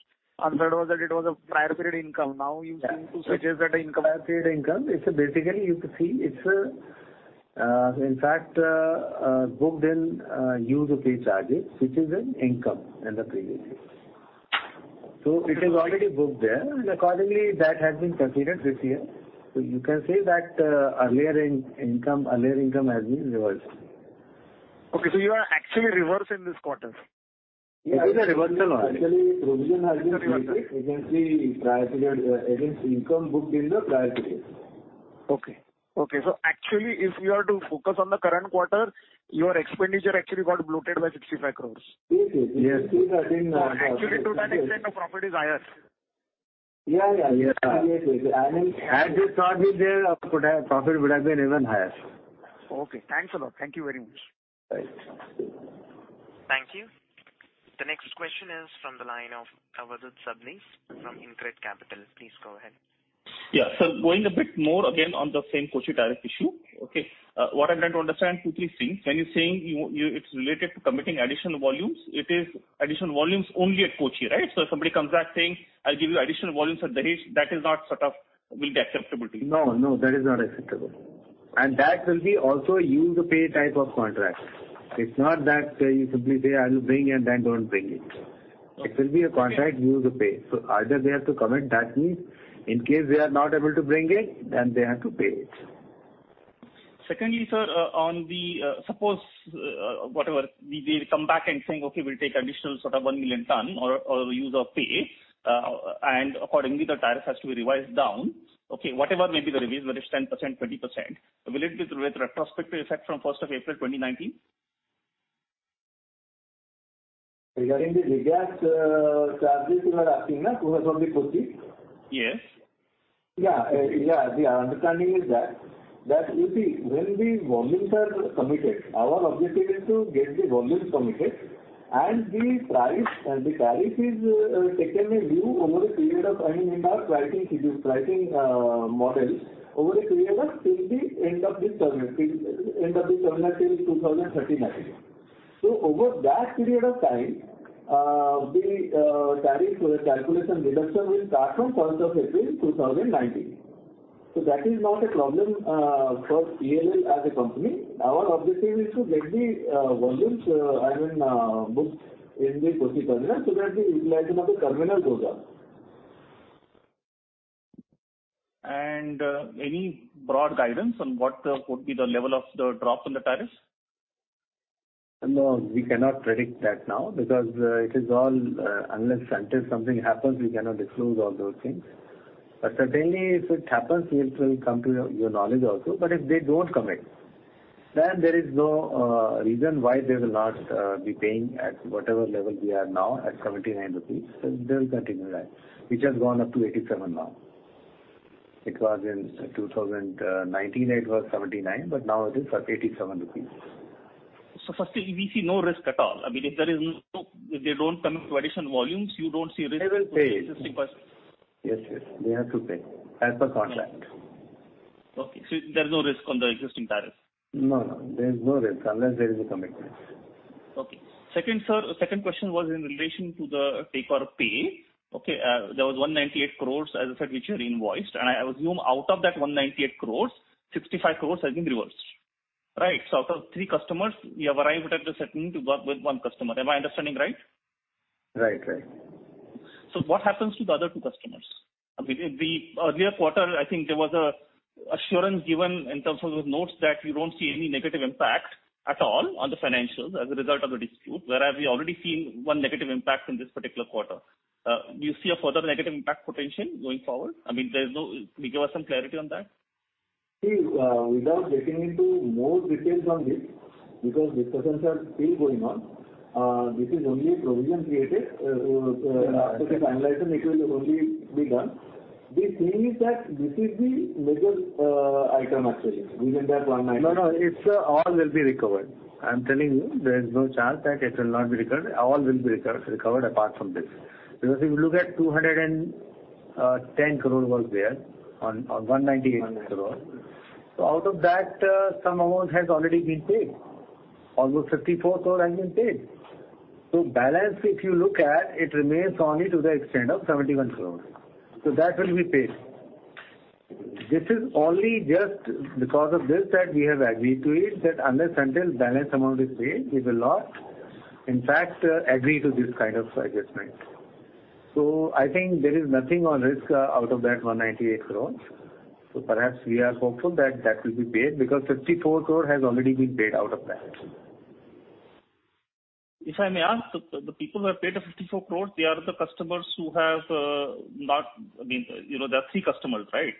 answered was that it was a prior-period income. Now you seem to suggest that an income. Prior-period income, basically, you can see it's in fact booked in use-or-pay charges, which is an income in the previous year. So it is already booked there. And accordingly, that has been considered this year. So you can say that earlier income has been reversed. Okay. So you are actually reversing this quarter? It is a reversal only. Actually, provision has been reversed. You can see income booked in the prior period. Okay. Okay. Actually, if we are to focus on the current quarter, your expenditure actually got bloated by 65 crore. Yes. Yes. Actually, to that extent, the profit is higher. Yeah. Yeah. Yeah. Yes. Yes. Yes. Had this not been there, profit would have been even higher. Okay. Thanks a lot. Thank you very much. Right. Thank you. The next question is from the line of Avadhoot Sabnis from InCred Capital. Please go ahead. Yeah. So going a bit more again on the same Kochi tariff issue, okay, what I'm trying to understand, two, three things. When you're saying it's related to committing additional volumes, it is additional volumes only at Kochi, right? So if somebody comes back saying, "I'll give you additional volumes at Dahej," that is not sort of will be acceptable to you? No. No. That is not acceptable. That will be also use-or-pay type of contract. It's not that you simply say, "I will bring it," and then don't bring it. It will be a contract use-or-pay. So either they have to commit. That means in case they are not able to bring it, then they have to pay it. Secondly, sir, suppose whatever, they come back and saying, "Okay. We'll take additional sort of 1 million ton or take-or-pay. And accordingly, the tariff has to be revised down." Okay. Whatever may be the revision, whether it's 10%, 20%, will it be with retrospective effect from 1st of April 2019? Regarding the regas charges you are asking, no, because of the Kochi? Yes. Yeah. Yeah. The understanding is that. You see, when the volumes are committed, our objective is to get the volumes committed. And the tariff is taken a view over a period of—I mean, in our pricing model over a period till the end of this terminal, till end of this terminal till 2039. So over that period of time, the tariff calculation deduction will start from April 1st 2019. So that is not a problem for us as a company. Our objective is to get the volumes—I mean, booked in the Kochi terminal so that the utilization of the terminal goes up. Any broad guidance on what would be the level of the drop in the tariffs? No. We cannot predict that now because it is all unless something happens, we cannot disclose all those things. But certainly, if it happens, it will come to your knowledge also. But if they don't commit, then there is no reason why they will not be paying at whatever level we are now at 79 rupees. They will continue that. It has gone up to 87 now. Because in 2019, it was 79, but now it is at 87 rupees. Firstly, we see no risk at all. I mean, if they don't commit to additional volumes, you don't see risk to the existing price? They will pay. Yes. Yes. They have to pay as per contract. Okay. So there is no risk on the existing tariffs? No. No. There is no risk unless there is a commitment. Okay. Second, sir, second question was in relation to the take-or-pay. Okay. There was 198 crores, as I said, which were invoiced. I assume out of that 198 crores, 65 crores have been reversed, right? Out of three customers, you have arrived at the settlement with one customer. Am I understanding right? Right. Right. So what happens to the other two customers? I mean, in the earlier quarter, I think there was assurance given in terms of those notes that you don't see any negative impact at all on the financials as a result of the dispute, whereas we already seen one negative impact in this particular quarter. Do you see a further negative impact potential going forward? I mean, we gave us some clarity on that. See, without getting into more details on this because discussions are still going on, this is only a provision created. After this analyzing, it will only be done. The thing is that this is the major item, actually, within that 198 crore. No. No. All will be recovered. I'm telling you, there is no chance that it will not be recovered. All will be recovered apart from this because if you look at 210 crore was there on 198 crore. So out of that, some amount has already been paid. Almost 54 crore has been paid. So balance, if you look at, it remains only to the extent of 71 crore. So that will be paid. This is only just because of this that we have agreed to it that unless until balance amount is paid, we will not, in fact, agree to this kind of adjustment. So I think there is nothing on risk out of that 198 crore. So perhaps we are hopeful that that will be paid because 54 crore has already been paid out of that. If I may ask, the people who have paid the 54 crore, they are the customers who have not again, there are three customers, right?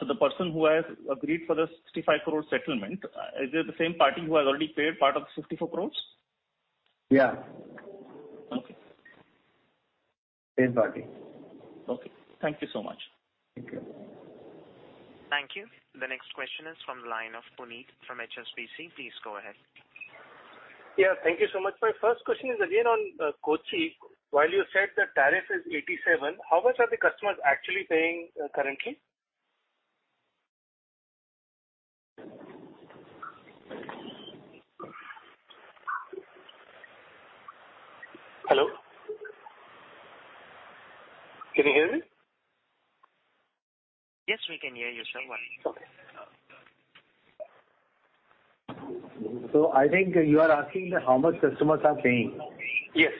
So the person who has agreed for the 65 crore settlement, is it the same party who has already paid part of the 54 crore? Yeah. Same party. Okay. Thank you so much. Thank you. Thank you. The next question is from the line of Puneet from HSBC. Please go ahead. Yeah. Thank you so much. My first question is again on Kochi. While you said the tariff is 87, how much are the customers actually paying currently? Hello? Can you hear me? Yes. We can hear you, sir. One moment. Okay. I think you are asking how much customers are paying. Yes.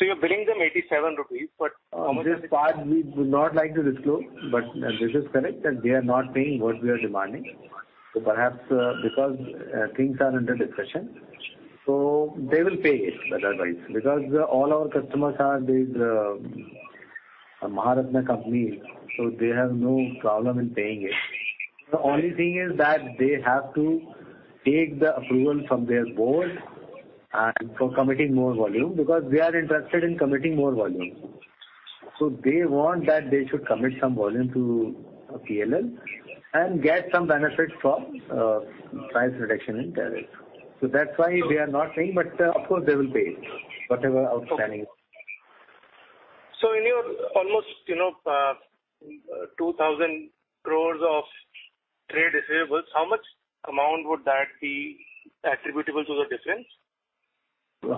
You're billing them 87 rupees, but how much is it? On this part, we would not like to disclose, but this is correct that they are not paying what we are demanding. So perhaps because things are under discussion, so they will pay it otherwise because all our customers are Maharatna companies. So they have no problem in paying it. The only thing is that they have to take the approval from their board for committing more volume because they are interested in committing more volume. So they want that they should commit some volume to PLL and get some benefit from price reduction in tariffs. So that's why they are not paying. But of course, they will pay whatever outstanding is. In your almost 2,000 crore of trade receivables, how much amount would that be attributable to the difference?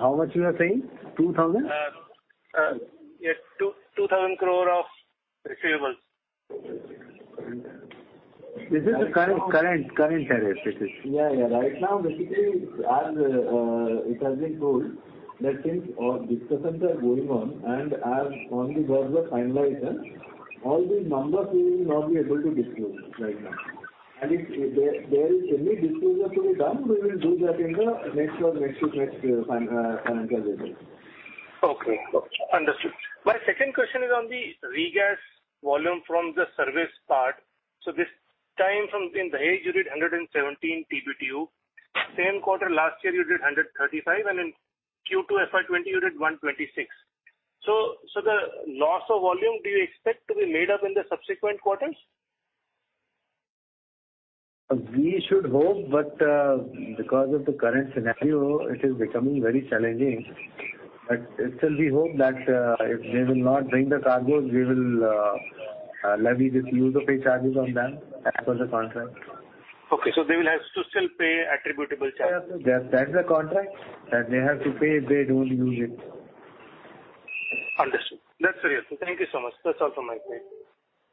How much you are saying? 2,000? Yeah. 2,000 crore of receivables. This is the current tariff. It is. Yeah. Yeah. Right now, basically, as it has been told, that since discussions are going on and as only goes the finalization, all these numbers, we will not be able to disclose right now. If there is any disclosure to be done, we will do that in the next financial year. Okay. Okay. Understood. My second question is on the regas volume from the service part. So this time in Dahej, you did 117 TBTU. Same quarter last year, you did 135. And in Q2 FY2020, you did 126. So the loss of volume, do you expect to be made up in the subsequent quarters? We should hope. But because of the current scenario, it is becoming very challenging. But still, we hope that if they will not bring the cargoes, we will levy this use-or-pay charges on them as per the contract. Okay. So they will have to still pay attributable charges? That's the contract that they have to pay if they don't use it. Understood. That's real. So thank you so much. That's all from my side.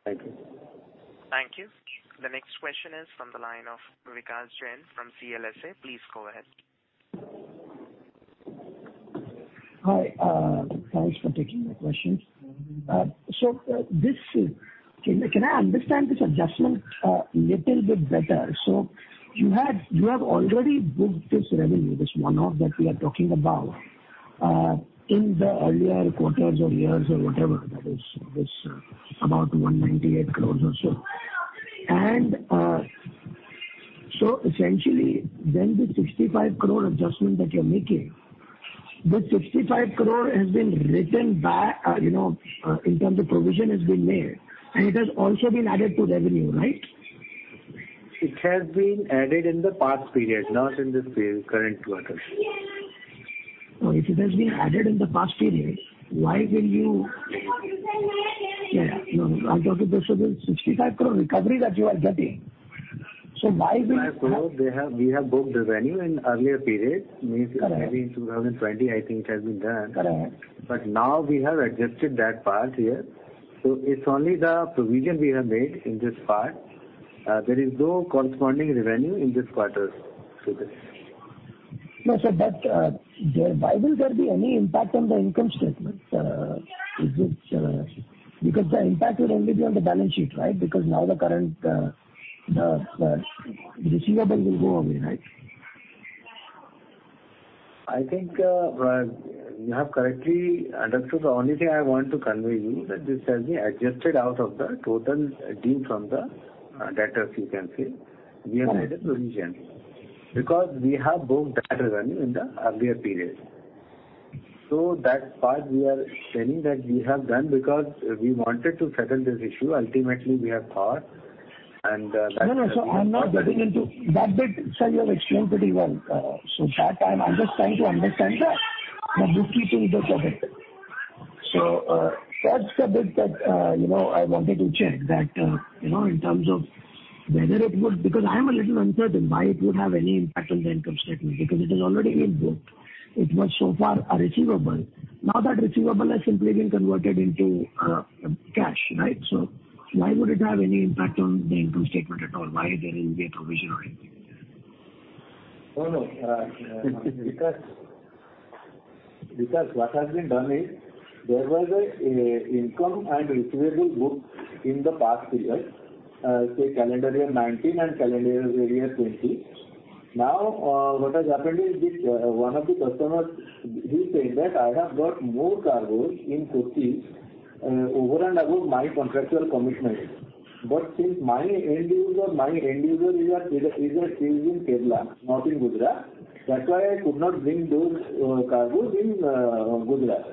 Thank you. Thank you. The next question is from the line of Vikash Jain from CLSA. Please go ahead. Hi. Thanks for taking my question. So can I understand this adjustment a little bit better? So you have already booked this revenue, this one-off that we are talking about in the earlier quarters or years or whatever that is, this about 198 crore or so. And so essentially, then the 65 crore adjustment that you're making, this 65 crore has been written back in terms of provision has been made. And it has also been added to revenue, right? It has been added in the past period, not in this current quarter. Oh. If it has been added in the past period, why will you yeah. Yeah. No. No. I'm talking specifically INR 65 crore recovery that you are getting. So why will? crore, we have booked the revenue in earlier periods. Maybe in 2020, I think it has been done. But now we have adjusted that part here. So it's only the provision we have made in this part. There is no corresponding revenue in this quarter to this. No, sir. But why will there be any impact on the income statement? Because the impact will only be on the balance sheet, right? Because now the receivable will go away, right? I think you have correctly understood. The only thing I want to convey you that this has been adjusted out of the total deemed from the debtors, you can say, we have made a provision because we have booked that revenue in the earlier period. So that part, we are telling that we have done because we wanted to settle this issue. Ultimately, we have thought. And that's why. No. No. Sir, I'm not getting into that bit. Sir, you have explained pretty well. So that time, I'm just trying to understand that. The bookkeeping is the topic. So that's the bit that I wanted to check, that in terms of whether it would, because I am a little uncertain why it would have any impact on the income statement because it has already been booked. It was so far a receivable. Now that receivable has simply been converted into cash, right? So why would it have any impact on the income statement at all? Why there will be a provision or anything? No. No. Because what has been done is there was an income and receivable booked in the past period, say, calendar year 2019 and calendar year 2020. Now what has happened is one of the customers, he said that, "I have got more cargoes in Kochi over and above my contractual commitment. But since my end user is in Kerala, not in Gujarat, that's why I could not bring those cargoes in Gujarat."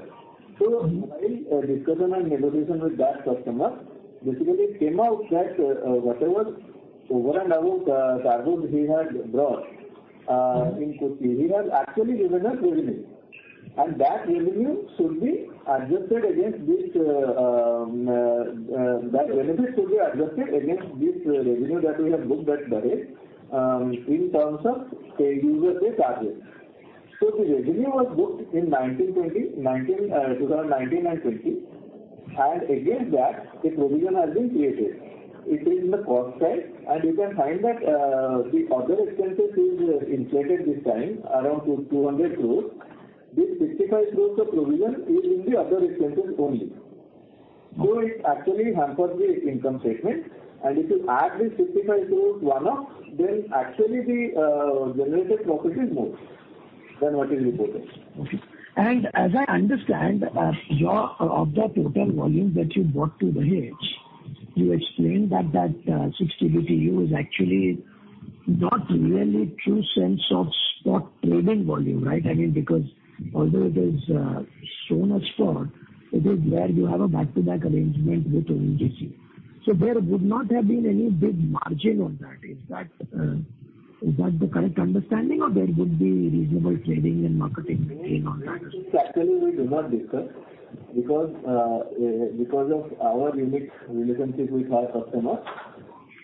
So while discussion and negotiation with that customer, basically, it came out that whatever over and above cargoes he had brought in Kochi, he has actually given us revenue. And that revenue should be adjusted against this that benefit should be adjusted against this revenue that we have booked at the rate in terms of the use-or-pay charges. So the revenue was booked in 2019 and 2020. And against that, a provision has been created. It is in the cost side. You can find that the other expenses is inflated this time around 200 crore. This 65 crore provision is in the other expenses only. It actually hampers the income statement. If you add this 65 crore one-off, then actually, the generated profit is more than what is reported. Okay. And as I understand, of the total volume that you brought to Dahej, you explained that that 60 TBtu is actually not really true sense of spot trading volume, right? I mean, because although it is shown as spot, it is where you have a back-to-back arrangement with ONGC. So there would not have been any big margin on that. Is that the correct understanding, or there would be reasonable trading and marketing on that? Actually, we do not discuss because of our unique relationship with our customers.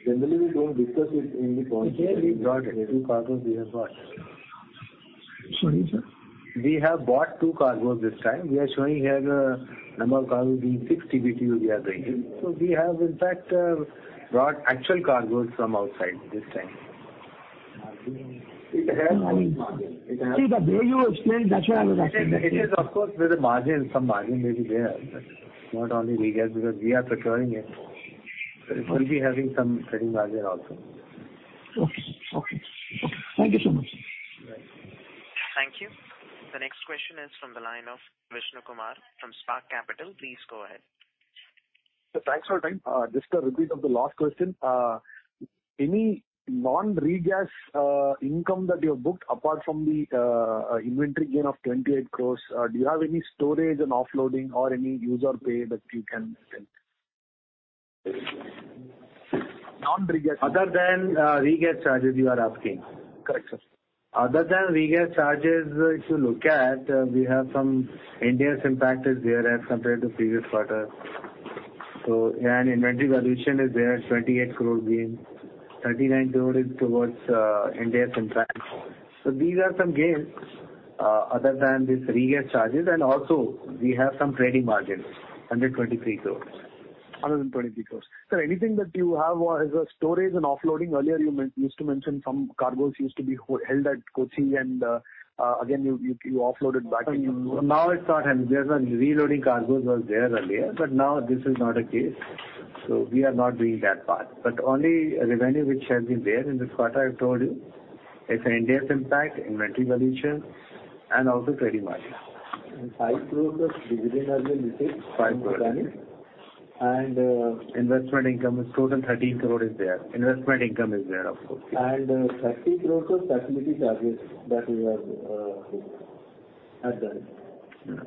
Generally, we don't discuss it in the quarter. We've already brought two cargoes. We have bought. Sorry, sir? We have bought two cargoes this time. We are showing here the number of cargoes being 60 TBTUs we are bringing. So we have, in fact, brought actual cargoes from outside this time. It has a big margin. It has. See, the way you explained, that's what I was asking. It is, of course, with a margin. Some margin may be there, but not only regas because we are procuring it. So it will be having some trading margin also. Okay. Okay. Okay. Thank you so much, sir. Right. Thank you. The next question is from the line of Vishnu Kumar from Spark Capital. Please go ahead. Thanks for your time. Just a repeat of the last question. Any non-regas income that you have booked apart from the inventory gain of 28 crore, do you have any storage and offloading or any use-or-pay that you can attend? Non-regas. Other than regas charges, you are asking. Correct, sir. Other than regas charges, if you look at, we have some Ind AS impact is there as compared to previous quarter. And inventory valuation is there at 28 crore gain. 39 crore is towards Ind AS impact. So these are some gains other than these regas charges. And also, we have some trading margin, 123 crore. 123 crore. Sir, anything that you have as a storage and offloading earlier, you used to mention some cargoes used to be held at Kochi. And again, you offloaded back into. Now it's not. There were reloading cargoes that were there earlier. Now this is not the case. We are not doing that part. Only revenue which has been there in this quarter, I've told you, it's Ind AS impact, inventory valuation, and also trading margin. INR 5 crore of dividend earlier listed at Dahej. INR 5 crores. And. Investment income. It's total 13 crore is there. Investment income is there, of course. 30 crore of facility charges that we have booked at Dahej.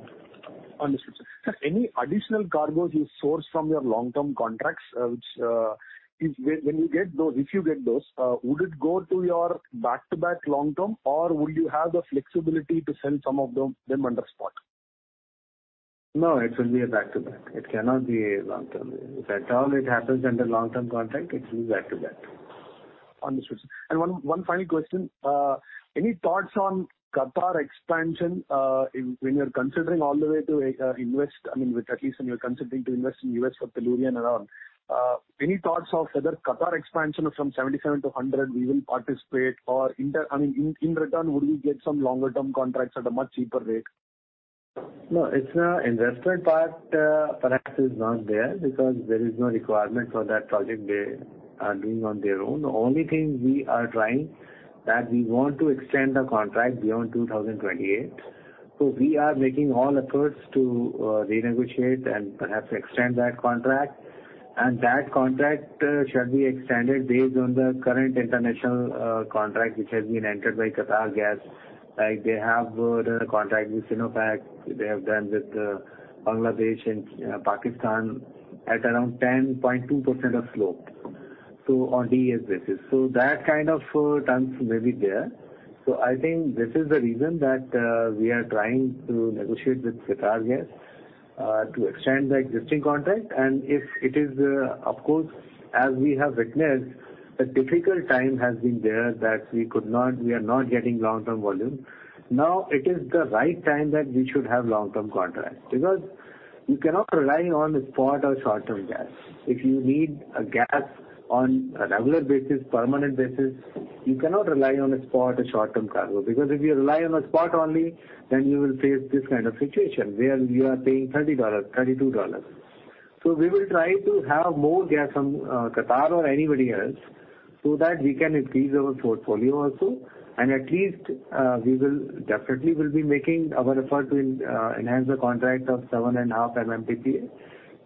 Understood, sir. Any additional cargoes you source from your long-term contracts which when you get those, if you get those, would it go to your back-to-back long-term, or would you have the flexibility to sell some of them under spot? No. It will be a back-to-back. It cannot be long-term. If at all it happens under long-term contract, it will be back-to-back. Understood, sir. And one final question. Any thoughts on Qatar expansion when you're considering all the way to invest? I mean, at least when you're considering to invest in the U.S. for Tellurian and all? Any thoughts of whether Qatar expansion from 77-100, we will participate, or I mean, in return, would we get some longer-term contracts at a much cheaper rate? No. It's an investment part. Perhaps it's not there because there is no requirement for that project they are doing on their own. The only thing we are trying that we want to extend the contract beyond 2028. So we are making all efforts to renegotiate and perhaps extend that contract. And that contract should be extended based on the current international contract which has been entered by Qatargas. They have a contract with Sinopec. They have done with Bangladesh and Pakistan at around 10.2% of slope on DES basis. So that kind of terms may be there. So I think this is the reason that we are trying to negotiate with Qatargas to extend the existing contract. And if it is of course, as we have witnessed, a difficult time has been there that we are not getting long-term volume. Now it is the right time that we should have long-term contracts because you cannot rely on spot or short-term gas. If you need a gas on a regular basis, permanent basis, you cannot rely on a spot or short-term cargo because if you rely on a spot only, then you will face this kind of situation where you are paying $30, $32. So we will try to have more gas from Qatar or anybody else so that we can increase our portfolio also. And at least we will definitely be making our effort to enhance the contract of 7.5 MMTPA.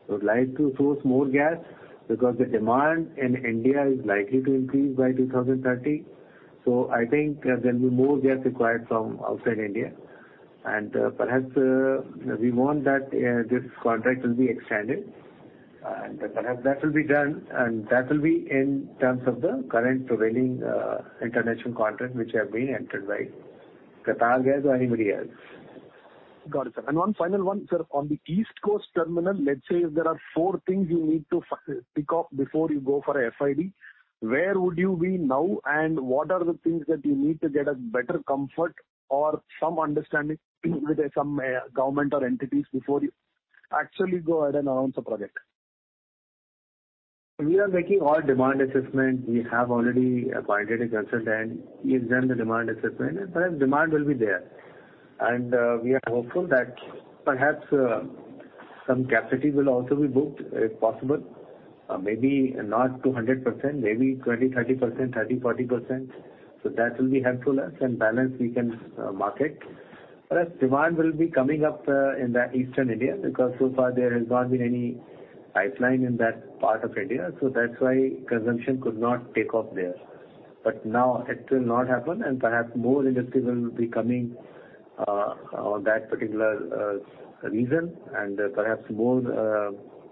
We would like to source more gas because the demand in India is likely to increase by 2030. So I think there will be more gas required from outside India. And perhaps we want that this contract will be extended. And perhaps that will be done. That will be in terms of the current prevailing international contract which have been entered by Qatargas or anybody else. Got it, sir. One final one, sir. On the East Coast terminal, let's say if there are four things you need to pick off before you go for a FID, where would you be now? And what are the things that you need to get a better comfort or some understanding with some government or entities before you actually go ahead and announce a project? We are making all demand assessments. We have already appointed a consultant. He has done the demand assessment. And perhaps demand will be there. And we are hopeful that perhaps some capacity will also be booked if possible. Maybe not 200%. Maybe 20, 30%, 30, 40%. So that will be helpful to us. And balance, we can market. Perhaps demand will be coming up in the Eastern India because so far, there has not been any pipeline in that part of India. So that's why consumption could not take off there. But now it will not happen. And perhaps more industry will be coming on that particular reason. And perhaps more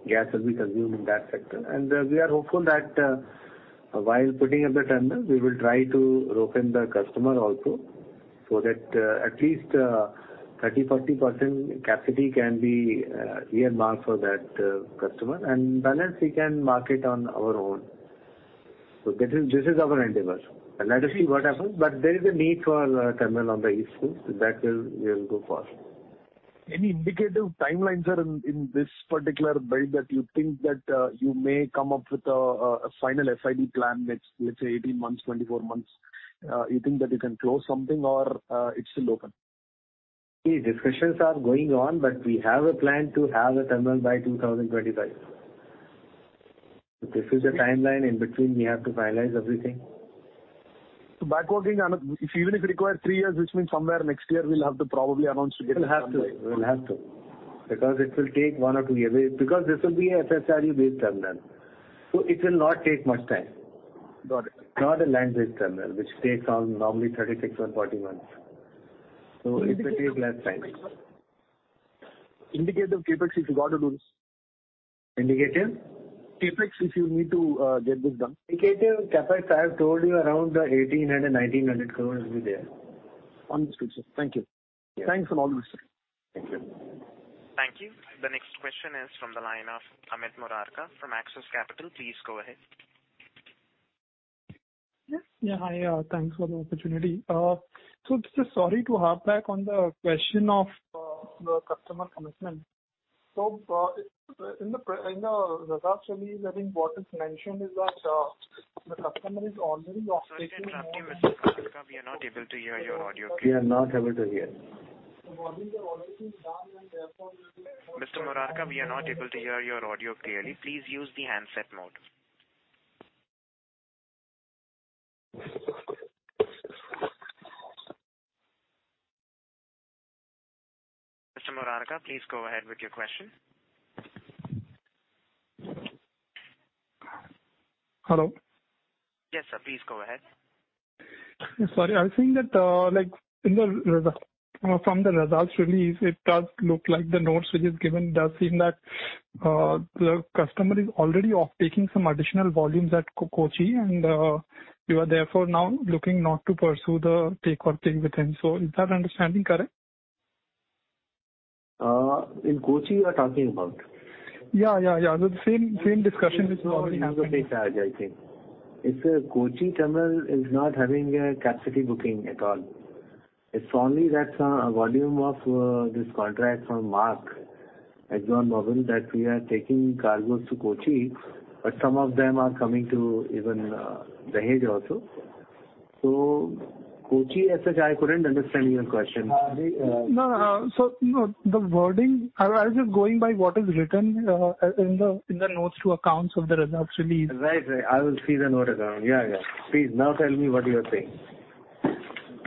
gas will be consumed in that sector. We are hopeful that while putting up the terminal, we will try to rope in the customer also so that at least 30%-40% capacity can be earmarked for that customer. Balance, we can market on our own. This is our endeavor. Let us see what happens. There is a need for a terminal on the East Coast. That will go forth. Any indicative timeline, sir, in this particular build that you think that you may come up with a final FID plan, let's say, 18 months, 24 months? You think that you can close something, or it's still open? See, discussions are going on. But we have a plan to have a terminal by 2025. So this is the timeline in between we have to finalize everything. Backlogging, even if it requires three years, which means somewhere next year, we'll have to probably announce to get it. We'll have to. We'll have to because it will take one or two years because this will be a FSRU-based terminal. So it will not take much time. Got it. Not a land-based terminal which takes normally 36 or 40 months. So it will take less time. Indicative CapEx if you got to do this? Indicative? CapEx if you need to get this done. Indicative CapEx, I have told you, around 1,800 crore-1,900 crore will be there. Understood, sir. Thank you. Thanks and all the best, sir. Thank you. Thank you. The next question is from the line of Amit Murarka from Axis Capital. Please go ahead. Yeah. Hi. Thanks for the opportunity. Sorry to harp back on the question of the customer commitment. In the results release, I think what is mentioned is that the customer is already taking on. Sorry to interrupt you, Mr. Murarka. We are not able to hear your audio clearly. We are not able to hear. The recordings are already being done, and therefore. Mr. Murarka, we are not able to hear your audio clearly. Please use the handset mode. Mr. Murarka, please go ahead with your question. Hello? Yes, sir. Please go ahead. Sorry. I was saying that from the results release, it does look like the notes which is given does seem that the customer is already off-taking some additional volumes at Kochi. And you are therefore now looking not to pursue the take-or-pay with him. So is that understanding correct? In Kochi, you are talking about? Yeah. Yeah. Yeah. So the same discussion is already happening. This is the same charge, I think. It's a Kochi terminal is not having a capacity booking at all. It's only that volume of this contract from ExxonMobil that we are taking cargoes to Kochi. But some of them are coming to even the Dahej also. So Kochi as such, I couldn't understand your question. No. No. So no. The wording, I was just going by what is written in the notes to accounts of the results release. Right. Right. I will see the note account. Yeah. Yeah. Please now tell me what you are saying.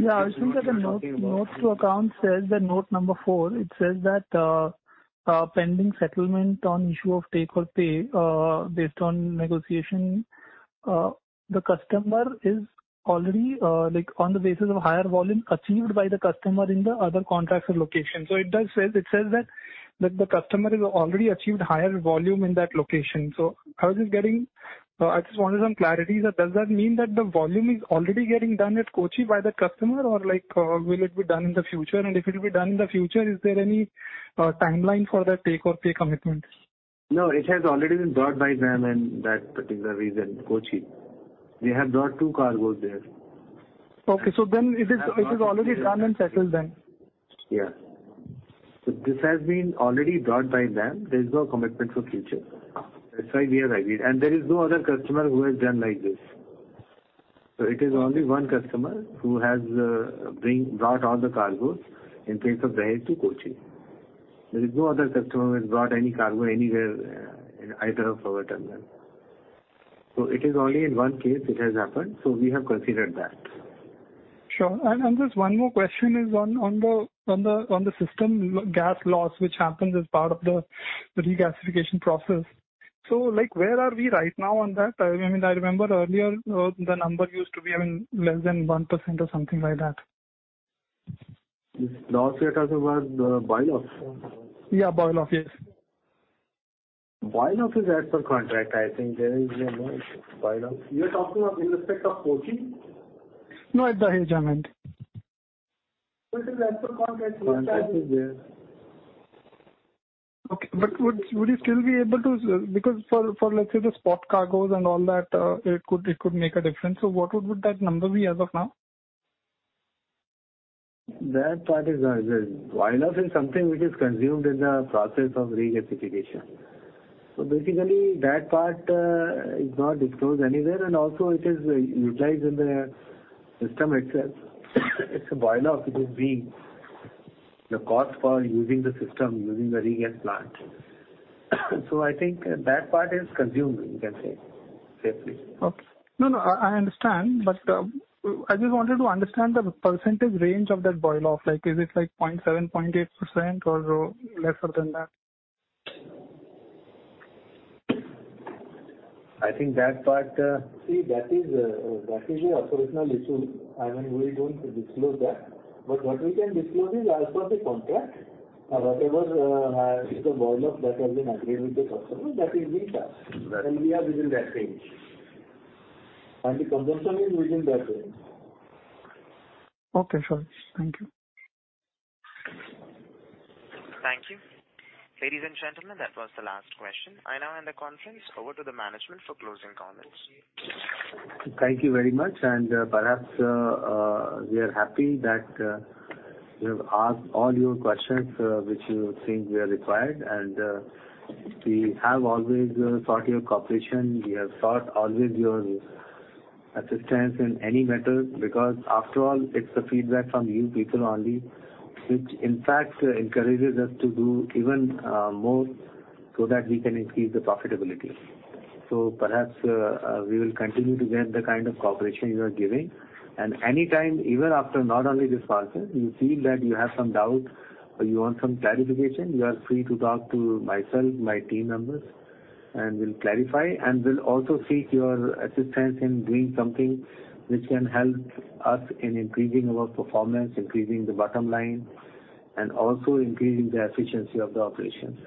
Yeah. I was thinking that the notes to accounts says that note number four, it says that pending settlement on issue of take-or-pay based on negotiation, the customer is already on the basis of higher volume achieved by the customer in the other contracts or locations. So it says that the customer has already achieved higher volume in that location. So I just wanted some clarity. Does that mean that the volume is already getting done at Kochi by the customer, or will it be done in the future? And if it will be done in the future, is there any timeline for that take-or-pay commitment? No. It has already been brought by them in that particular region, Kochi. They have brought two cargoes there. Okay. So then it is already done and settled then. Yeah. So this has been already brought by them. There is no commitment for future. That's why we have agreed. And there is no other customer who has done like this. So it is only one customer who has brought all the cargoes in place of Dahej to Kochi. There is no other customer who has brought any cargo anywhere in either of our terminals. So it is only in one case it has happened. So we have considered that. Sure. And just one more question is on the system gas loss which happens as part of the regasification process. So where are we right now on that? I mean, I remember earlier, the number used to be less than 1% or something like that. This loss you're talking about, the boil-off? Yeah. Boil-off. Yes. Boil-off is as per contract. I think there is no boil-off. You're talking in respect of Kochi? No. At Dahej, I meant. So it is as per contract. Yes, sir. Contract is there. Okay. But would you still be able to because for, let's say, the spot cargoes and all that, it could make a difference. So what would that number be as of now? That part is boil-off is something which is consumed in the process of regasification. So basically, that part is not disclosed anywhere. And also, it is utilized in the system itself. It's a boil-off which is being the cost for using the system, using the regas plant. So I think that part is consumed, you can say, safely. Okay. No. No. I understand. But I just wanted to understand the percentage range of that boil-off. Is it 0.7%-0.8%, or lesser than that? I think that part, see, that is an operational issue. I mean, we don't disclose that. But what we can disclose is as per the contract. Whatever is the boil-off that has been agreed with the customer, that is being charged. And we are within that range. And the consumption is within that range. Okay. Sure. Thank you. Thank you. Ladies and gentlemen, that was the last question. I now end the conference. Over to the management for closing comments. Thank you very much. Perhaps we are happy that you have asked all your questions which you think we are required. We have always sought your cooperation. We have sought always your assistance in any matter because, after all, it's the feedback from you people only which, in fact, encourages us to do even more so that we can increase the profitability. Perhaps we will continue to get the kind of cooperation you are giving. Anytime, even after not only this conference, you feel that you have some doubt or you want some clarification, you are free to talk to myself, my team members, and we'll clarify. We'll also seek your assistance in doing something which can help us in increasing our performance, increasing the bottom line, and also increasing the efficiency of the operations.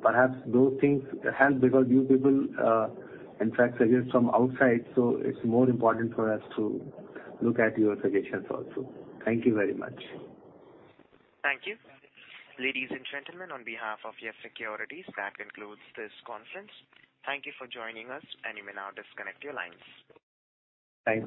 Perhaps those things help because you people, in fact, suggest from outside. It's more important for us to look at your suggestions also. Thank you very much. Thank you. Ladies and gentlemen, on behalf of Yes Securities, that concludes this conference. Thank you for joining us. You may now disconnect your lines. Thank you.